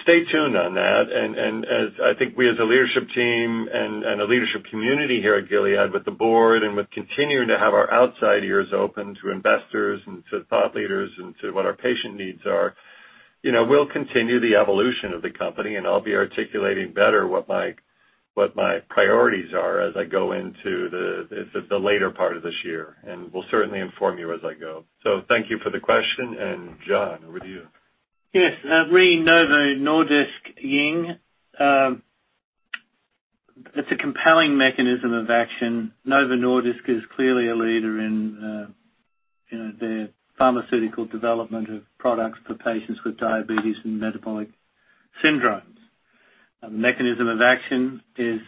Stay tuned on that, and as I think we as a leadership team and a leadership community here at Gilead with the board and with continuing to have our outside ears open to investors and to thought leaders and to what our patient needs are, we'll continue the evolution of the company, and I'll be articulating better what my priorities are as I go into the later part of this year, and we'll certainly inform you as I go. Thank you for the question, and John, over to you. Yes. Re Novo Nordisk Ying. It's a compelling mechanism of action. Novo Nordisk is clearly a leader in the pharmaceutical development of products for patients with diabetes and metabolic syndromes. The mechanism of action is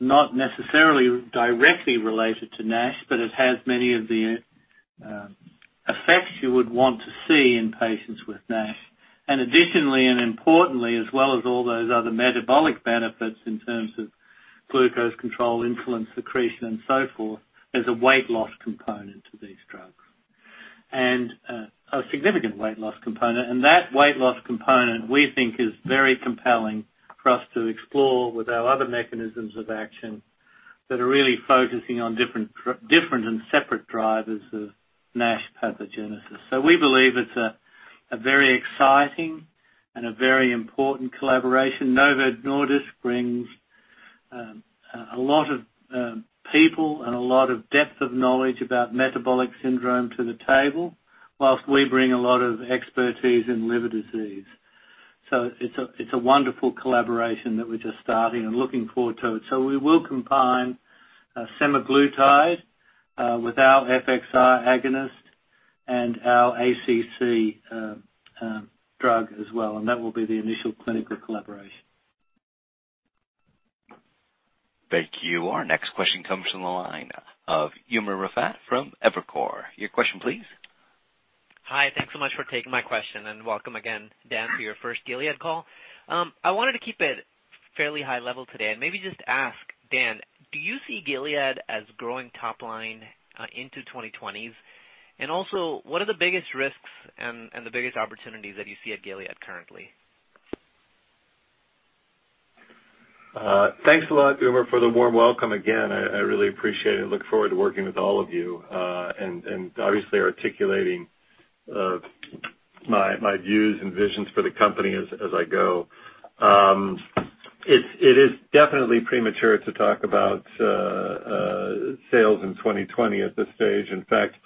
not necessarily directly related to NASH, but it has many of the effects you would want to see in patients with NASH. Additionally and importantly, as well as all those other metabolic benefits in terms of glucose control, insulin secretion, and so forth, there's a weight loss component to these drugs, a significant weight loss component. That weight loss component, we think, is very compelling for us to explore with our other mechanisms of action that are really focusing on different and separate drivers of NASH pathogenesis. We believe it's a very exciting and a very important collaboration. Novo Nordisk brings a lot of people and a lot of depth of knowledge about metabolic syndrome to the table, whilst we bring a lot of expertise in liver disease. It's a wonderful collaboration that we're just starting and looking forward to it. We will combine semaglutide with our FXR agonist and our ACC drug as well, and that will be the initial clinical collaboration. Thank you. Our next question comes from the line of Umer Raffat from Evercore. Your question, please. Hi. Thanks so much for taking my question, and welcome again, Dan, to your first Gilead call. I wanted to keep it fairly high level today and maybe just ask, Dan, do you see Gilead as growing top line into the 2020s? Also, what are the biggest risks and the biggest opportunities that you see at Gilead currently? Thanks a lot, Umer, for the warm welcome again. I really appreciate it. Look forward to working with all of you, and obviously articulating my views and visions for the company as I go. It is definitely premature to talk about sales in 2020 at this stage. In fact,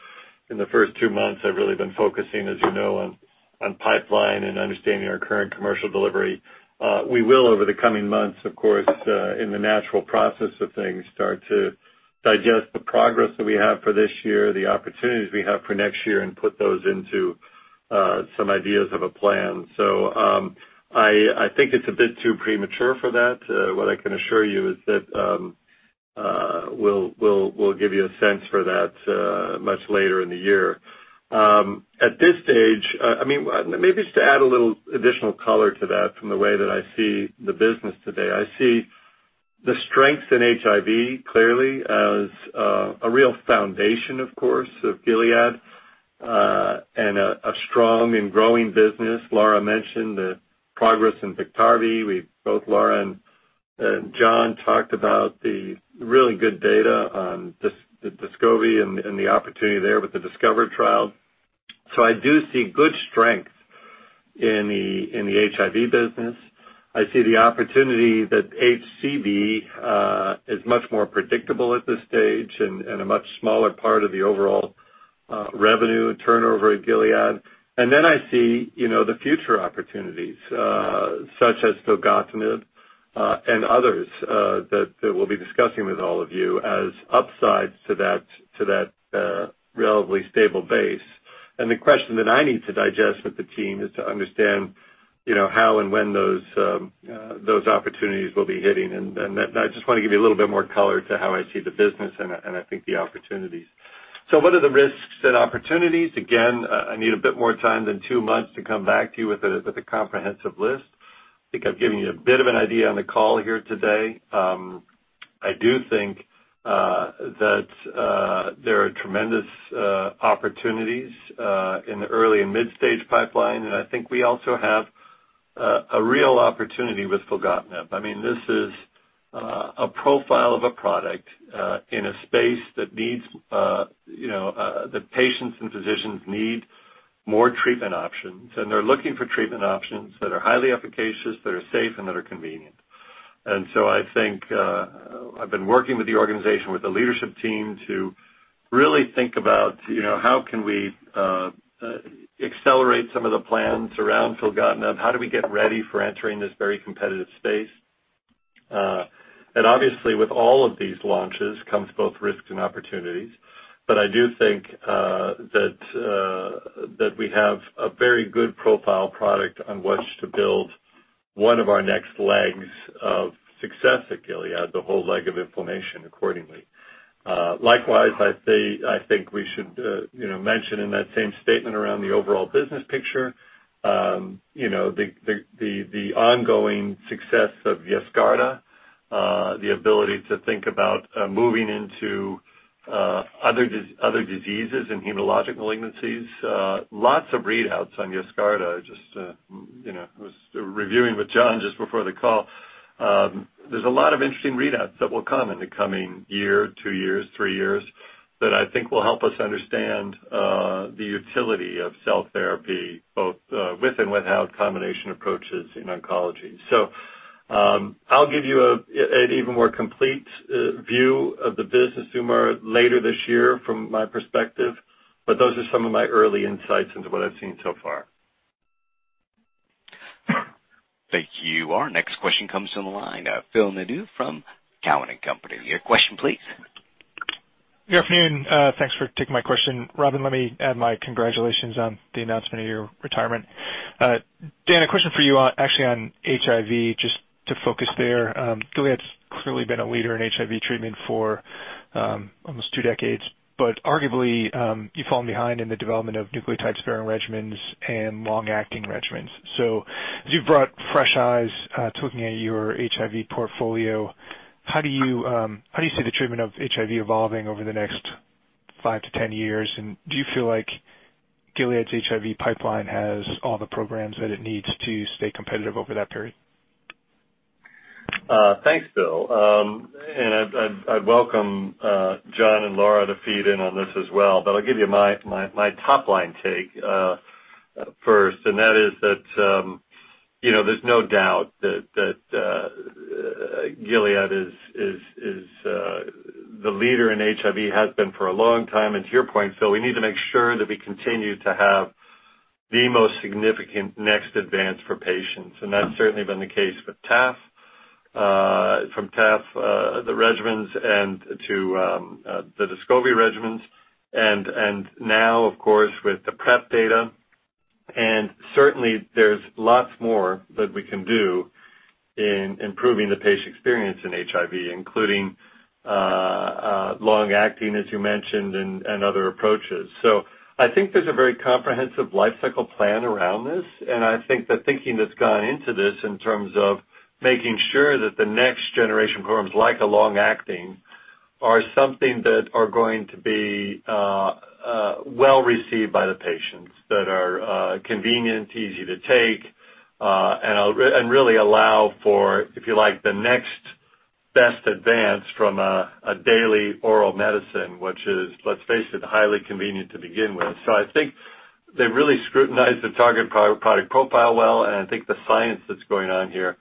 in the first two months, I've really been focusing, as you know, on pipeline and understanding our current commercial delivery. We will, over the coming months, of course, in the natural process of things, start to digest the progress that we have for this year, the opportunities we have for next year, and put those into some ideas of a plan. I think it's a bit too premature for that. What I can assure you is that we'll give you a sense for that much later in the year. At this stage, maybe just to add a little additional color to that from the way that I see the business today. I see the strengths in HIV, clearly, as a real foundation, of course, of Gilead, and a strong and growing business. Laura mentioned the progress in Biktarvy. Both Laura and John talked about the really good data on Descovy and the opportunity there with the DISCOVER trial. I do see good strength in the HIV business. I see the opportunity that HCV is much more predictable at this stage and a much smaller part of the overall revenue and turnover at Gilead. I see the future opportunities, such as filgotinib and others that we'll be discussing with all of you as upsides to that relatively stable base. The question that I need to digest with the team is to understand how and when those opportunities will be hitting, and I just want to give you a little bit more color to how I see the business and I think the opportunities. What are the risks and opportunities? Again, I need a bit more time than two months to come back to you with a comprehensive list. I think I've given you a bit of an idea on the call here today. I do think that there are tremendous opportunities in the early- and mid-stage pipeline, and I think we also have a real opportunity with filgotinib. This is a profile of a product in a space that patients and physicians need more treatment options, and they're looking for treatment options that are highly efficacious, that are safe, and that are convenient. I think I've been working with the organization, with the leadership team to really think about how can we accelerate some of the plans around filgotinib. How do we get ready for entering this very competitive space? Obviously, with all of these launches comes both risks and opportunities. I do think that we have a very good profile product on which to build one of our next legs of success at Gilead, the whole leg of inflammation accordingly. Likewise, I think we should mention in that same statement around the overall business picture, the ongoing success of Yescarta, the ability to think about moving into other diseases and hematologic malignancies. Lots of readouts on Yescarta. I was reviewing with John just before the call. There's a lot of interesting readouts that will come in the coming year, two years, three years, that I think will help us understand the utility of cell therapy both with and without combination approaches in oncology. I'll give you an even more complete view of the business, Umer, later this year from my perspective, but those are some of my early insights into what I've seen so far. Thank you. Our next question comes from the line of Phil Nadeau from Cowen and Company. Your question please. Good afternoon. Thanks for taking my question. Robin, let me add my congratulations on the announcement of your retirement. Dan, a question for you actually on HIV, just to focus there. Gilead's clearly been a leader in HIV treatment for almost two decades, but arguably you've fallen behind in the development of nucleotide sparing regimens and long-acting regimens. As you've brought fresh eyes to looking at your HIV portfolio, how do you see the treatment of HIV evolving over the next 5 to 10 years? Do you feel like Gilead's HIV pipeline has all the programs that it needs to stay competitive over that period? Thanks, Phil. I'd welcome John and Laura to feed in on this as well, but I'll give you my top line take first, and that is that there's no doubt that Gilead is the leader in HIV, has been for a long time and to your point, Phil, we need to make sure that we continue to have the most significant next advance for patients. That's certainly been the case from TAF, the regimens, and to the Descovy regimens, and now of course with the PrEP data. Certainly there's lots more that we can do in improving the patient experience in HIV, including long acting, as you mentioned, and other approaches. I think there's a very comprehensive life cycle plan around this. I think the thinking that's gone into this in terms of making sure that the next generation programs, like a long acting, are something that are going to be well received by the patients, that are convenient, easy to take, and really allow for, if you like, the next best advance from a daily oral medicine, which is, let's face it, highly convenient to begin with. I think they've really scrutinized the target product profile well. I think the science that's going on here is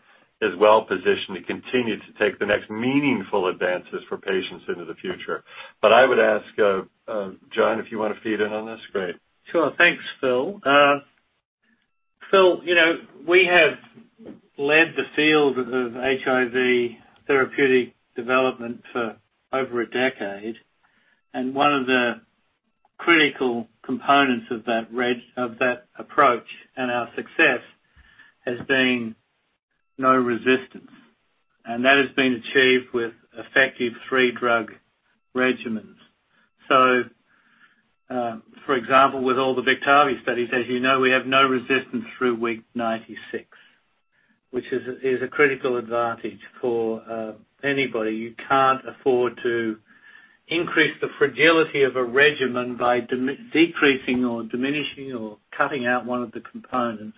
well-positioned to continue to take the next meaningful advances for patients into the future. I would ask John if you want to feed in on this? Great. Sure. Thanks, Phil. Phil, we have led the field of HIV therapeutic development for over a decade. One of the critical components of that approach and our success has been no resistance, and that has been achieved with effective three-drug regimens. For example, with all the Biktarvy studies, as you know, we have no resistance through week 96, which is a critical advantage for anybody. You can't afford to increase the fragility of a regimen by decreasing or diminishing or cutting out one of the components,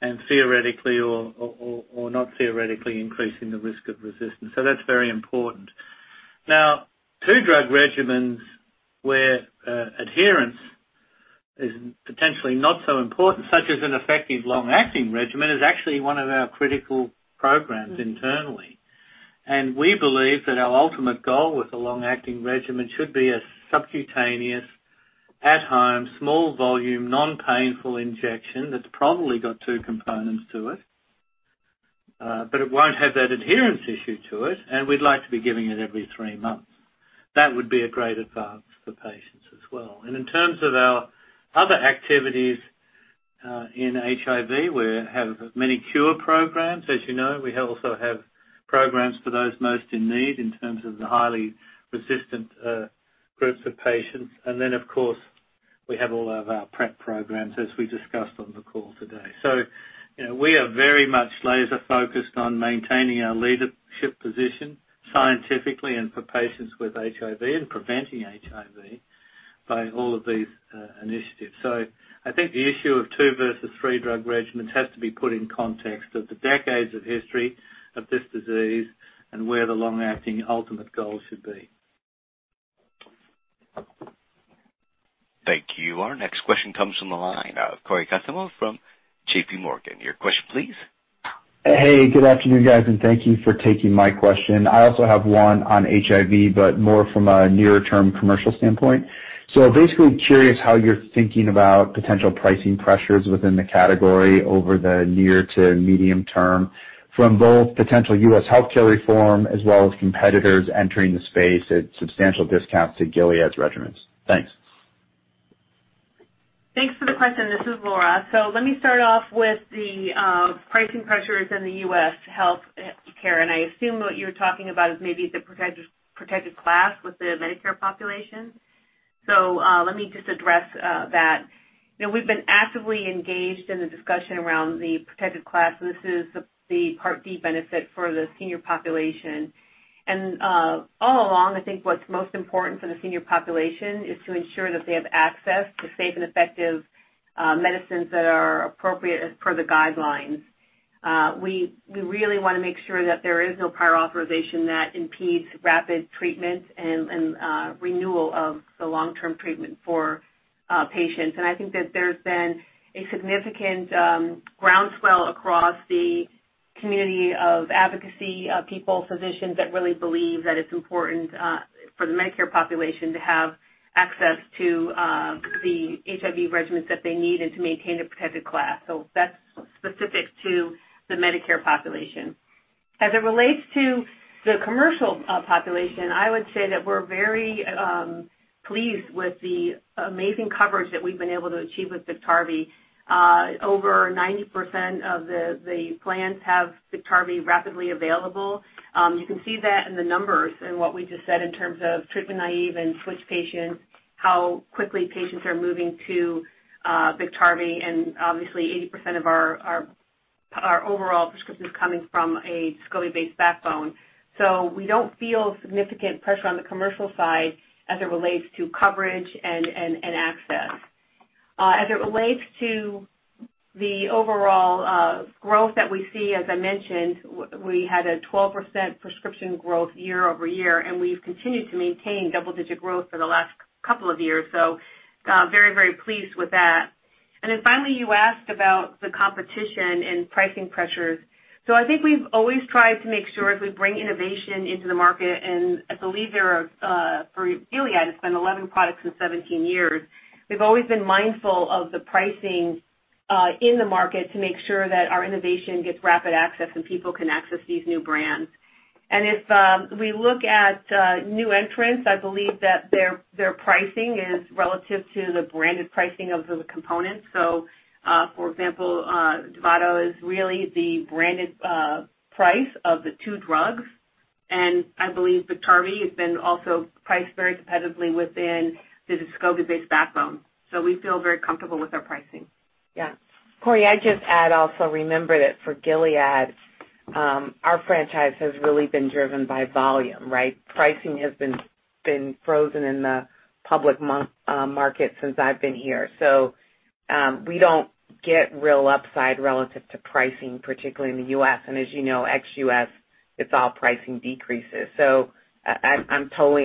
and theoretically or not theoretically increasing the risk of resistance. That's very important. Two drug regimens where adherence is potentially not so important, such as an effective long-acting regimen, is actually one of our critical programs internally. We believe that our ultimate goal with a long-acting regimen should be a subcutaneous, at home, small volume, non-painful injection that's probably got two components to it, but it won't have that adherence issue to it, and we'd like to be giving it every three months. That would be a great advance for patients as well. In terms of our other activities in HIV, we have many cure programs. As you know, we also have programs for those most in need in terms of the highly resistant groups of patients. Then, of course- We have all of our PrEP programs as we discussed on the call today. We are very much laser-focused on maintaining our leadership position scientifically and for patients with HIV and preventing HIV by all of these initiatives. I think the issue of two versus three drug regimens has to be put in context of the decades of history of this disease and where the long-acting ultimate goal should be. Thank you. Our next question comes from the line of Cory Kasimov from JPMorgan. Your question please. Hey, good afternoon, guys, and thank you for taking my question. I also have one on HIV, but more from a near-term commercial standpoint. Basically curious how you're thinking about potential pricing pressures within the category over the near to medium term from both potential U.S. healthcare reform as well as competitors entering the space at substantial discounts to Gilead's regimens. Thanks. Thanks for the question. This is Laura. Let me start off with the pricing pressures in the U.S. healthcare, and I assume what you're talking about is maybe the protected class with the Medicare population. Let me just address that. We've been actively engaged in the discussion around the protected class. This is the Part D benefit for the senior population. All along, I think what's most important for the senior population is to ensure that they have access to safe and effective medicines that are appropriate as per the guidelines. We really want to make sure that there is no prior authorization that impedes rapid treatment and renewal of the long-term treatment for patients. I think that there's been a significant groundswell across the community of advocacy people, physicians that really believe that it's important for the Medicare population to have access to the HIV regimens that they need and to maintain a protected class. That's specific to the Medicare population. As it relates to the commercial population, I would say that we're very pleased with the amazing coverage that we've been able to achieve with Biktarvy. Over 90% of the plans have Biktarvy rapidly available. You can see that in the numbers in what we just said in terms of treatment-naïve and switch patients, how quickly patients are moving to Biktarvy, and obviously 80% of our overall prescriptions coming from a Descovy-based backbone. We don't feel significant pressure on the commercial side as it relates to coverage and access. As it relates to the overall growth that we see, as I mentioned, we had a 12% prescription growth year-over-year, and we've continued to maintain double-digit growth for the last couple of years. Very pleased with that. Finally, you asked about the competition and pricing pressures. I think we've always tried to make sure as we bring innovation into the market, and I believe there are, for Gilead, it's been 11 products in 17 years. We've always been mindful of the pricing in the market to make sure that our innovation gets rapid access, and people can access these new brands. If we look at new entrants, I believe that their pricing is relative to the branded pricing of the components. For example, Dovato is really the branded price of the two drugs, and I believe Biktarvy has been also priced very competitively within the Descovy-based backbone. We feel very comfortable with our pricing. Yeah. Cory, I'd just add also, remember that for Gilead, our franchise has really been driven by volume, right? Pricing has been frozen in the public market since I've been here. We don't get real upside relative to pricing, particularly in the U.S. As you know, ex-U.S., it's all pricing decreases. I'm totally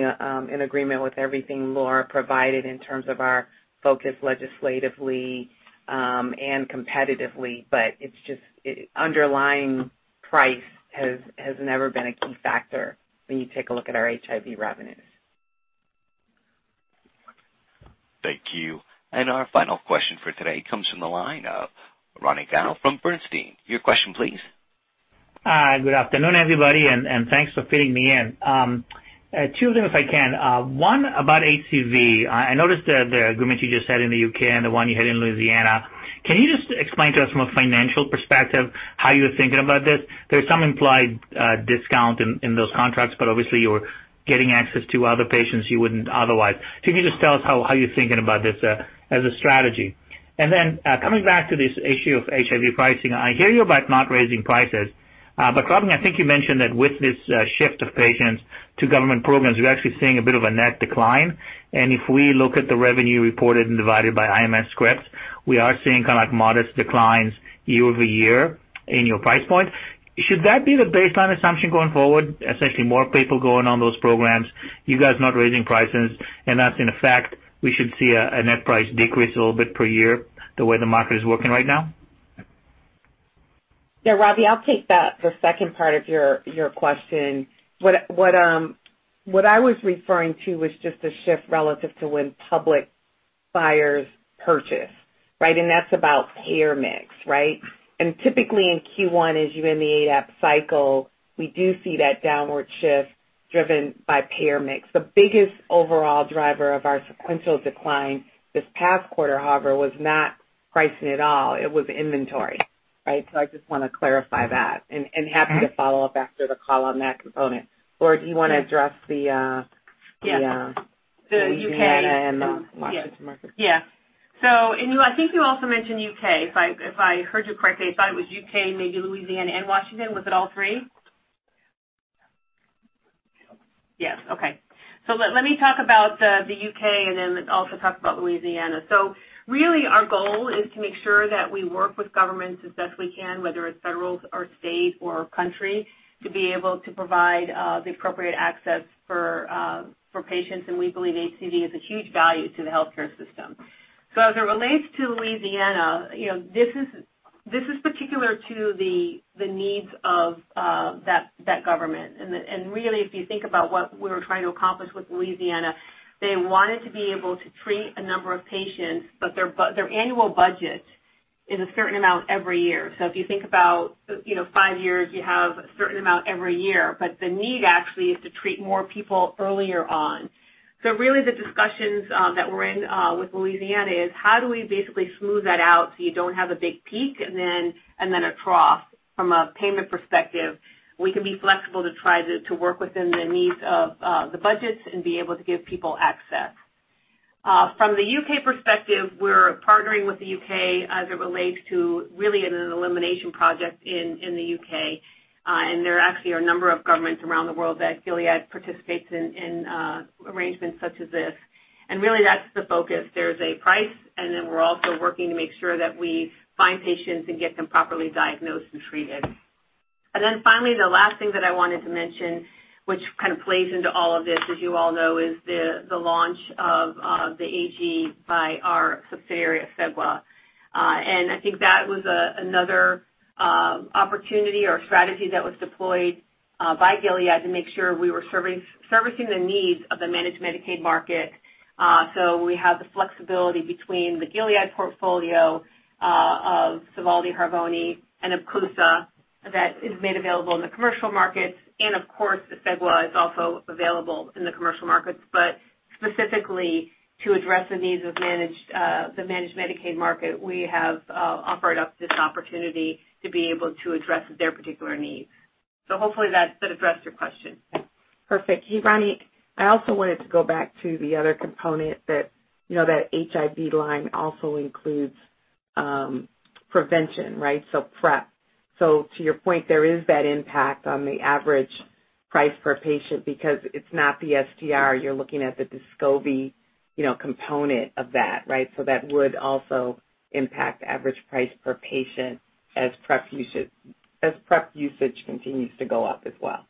in agreement with everything Laura provided in terms of our focus legislatively, and competitively, but it's just underlying price has never been a key factor when you take a look at our HIV revenues. Thank you. Our final question for today comes from the line of Ronny Gal from Bernstein. Your question, please. Hi, good afternoon, everybody, and thanks for fitting me in. Two of them, if I can. One about HCV. I noticed the agreement you just had in the U.K. and the one you had in Louisiana. Can you just explain to us from a financial perspective how you're thinking about this? There's some implied discount in those contracts, but obviously you're getting access to other patients you wouldn't otherwise. Can you just tell us how you're thinking about this as a strategy? Coming back to this issue of HIV pricing, I hear you about not raising prices. Robin, I think you mentioned that with this shift of patients to government programs, you're actually seeing a bit of a net decline. If we look at the revenue reported and divided by IMS scripts, we are seeing modest declines year-over-year in your price point. Should that be the baseline assumption going forward, essentially more people going on those programs, you guys not raising prices, and thus in effect, we should see a net price decrease a little bit per year the way the market is working right now? Yeah, Ronny, I'll take the second part of your question. What I was referring to was just a shift relative to when public buyers purchase, right? That's about payer mix, right? Typically in Q1, as you end the ADAP cycle, we do see that downward shift driven by payer mix. The biggest overall driver of our sequential decline this past quarter, however, was not pricing at all. It was inventory. Right? I just want to clarify that. Happy to follow up after the call on that component. Do you want to address the- Yeah Louisiana and the Washington market? I think you also mentioned U.K., if I heard you correctly. I thought it was U.K., maybe Louisiana and Washington. Was it all three? Yes. Okay. Let me talk about the U.K. and then also talk about Louisiana. Really our goal is to make sure that we work with governments as best we can, whether it's federal or state or country, to be able to provide the appropriate access for patients. We believe HCV is a huge value to the healthcare system. As it relates to Louisiana, this is particular to the needs of that government. Really, if you think about what we were trying to accomplish with Louisiana, they wanted to be able to treat a number of patients, but their annual budget is a certain amount every year. If you think about 5 years, you have a certain amount every year, but the need actually is to treat more people earlier on. Really the discussions that we're in with Louisiana is how do we basically smooth that out so you don't have a big peak and then a trough from a payment perspective. We can be flexible to try to work within the needs of the budgets and be able to give people access. From the U.K. perspective, we're partnering with the U.K. as it relates to really an elimination project in the U.K. There actually are a number of governments around the world that Gilead participates in arrangements such as this. Really that's the focus. There's a price, and then we're also working to make sure that we find patients and get them properly diagnosed and treated. Finally, the last thing that I wanted to mention, which kind of plays into all of this, as you all know, is the launch of the AG by our subsidiary, Asegua. I think that was another opportunity or strategy that was deployed by Gilead to make sure we were servicing the needs of the managed Medicaid market. We have the flexibility between the Gilead portfolio of Sovaldi, Harvoni, and Epclusa that is made available in the commercial markets. Of course, Asegua is also available in the commercial markets, but specifically to address the needs of the managed Medicaid market, we have offered up this opportunity to be able to address their particular needs. Hopefully that addressed your question. Perfect. Ronny, I also wanted to go back to the other component that HIV line also includes prevention, right? PrEP. To your point, there is that impact on the average price per patient because it's not the STR. You're looking at the Descovy component of that, right? That would also impact average price per patient as PrEP usage continues to go up as well.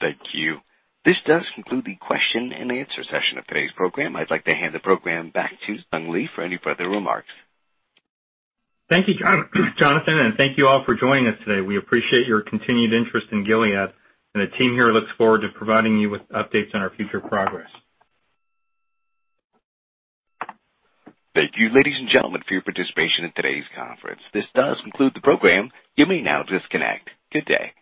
Thank you. This does conclude the question and answer session of today's program. I'd like to hand the program back to Sung Lee for any further remarks. Thank you, Jonathan, and thank you all for joining us today. We appreciate your continued interest in Gilead, and the team here looks forward to providing you with updates on our future progress. Thank you, ladies and gentlemen, for your participation in today's conference. This does conclude the program. You may now disconnect. Good day.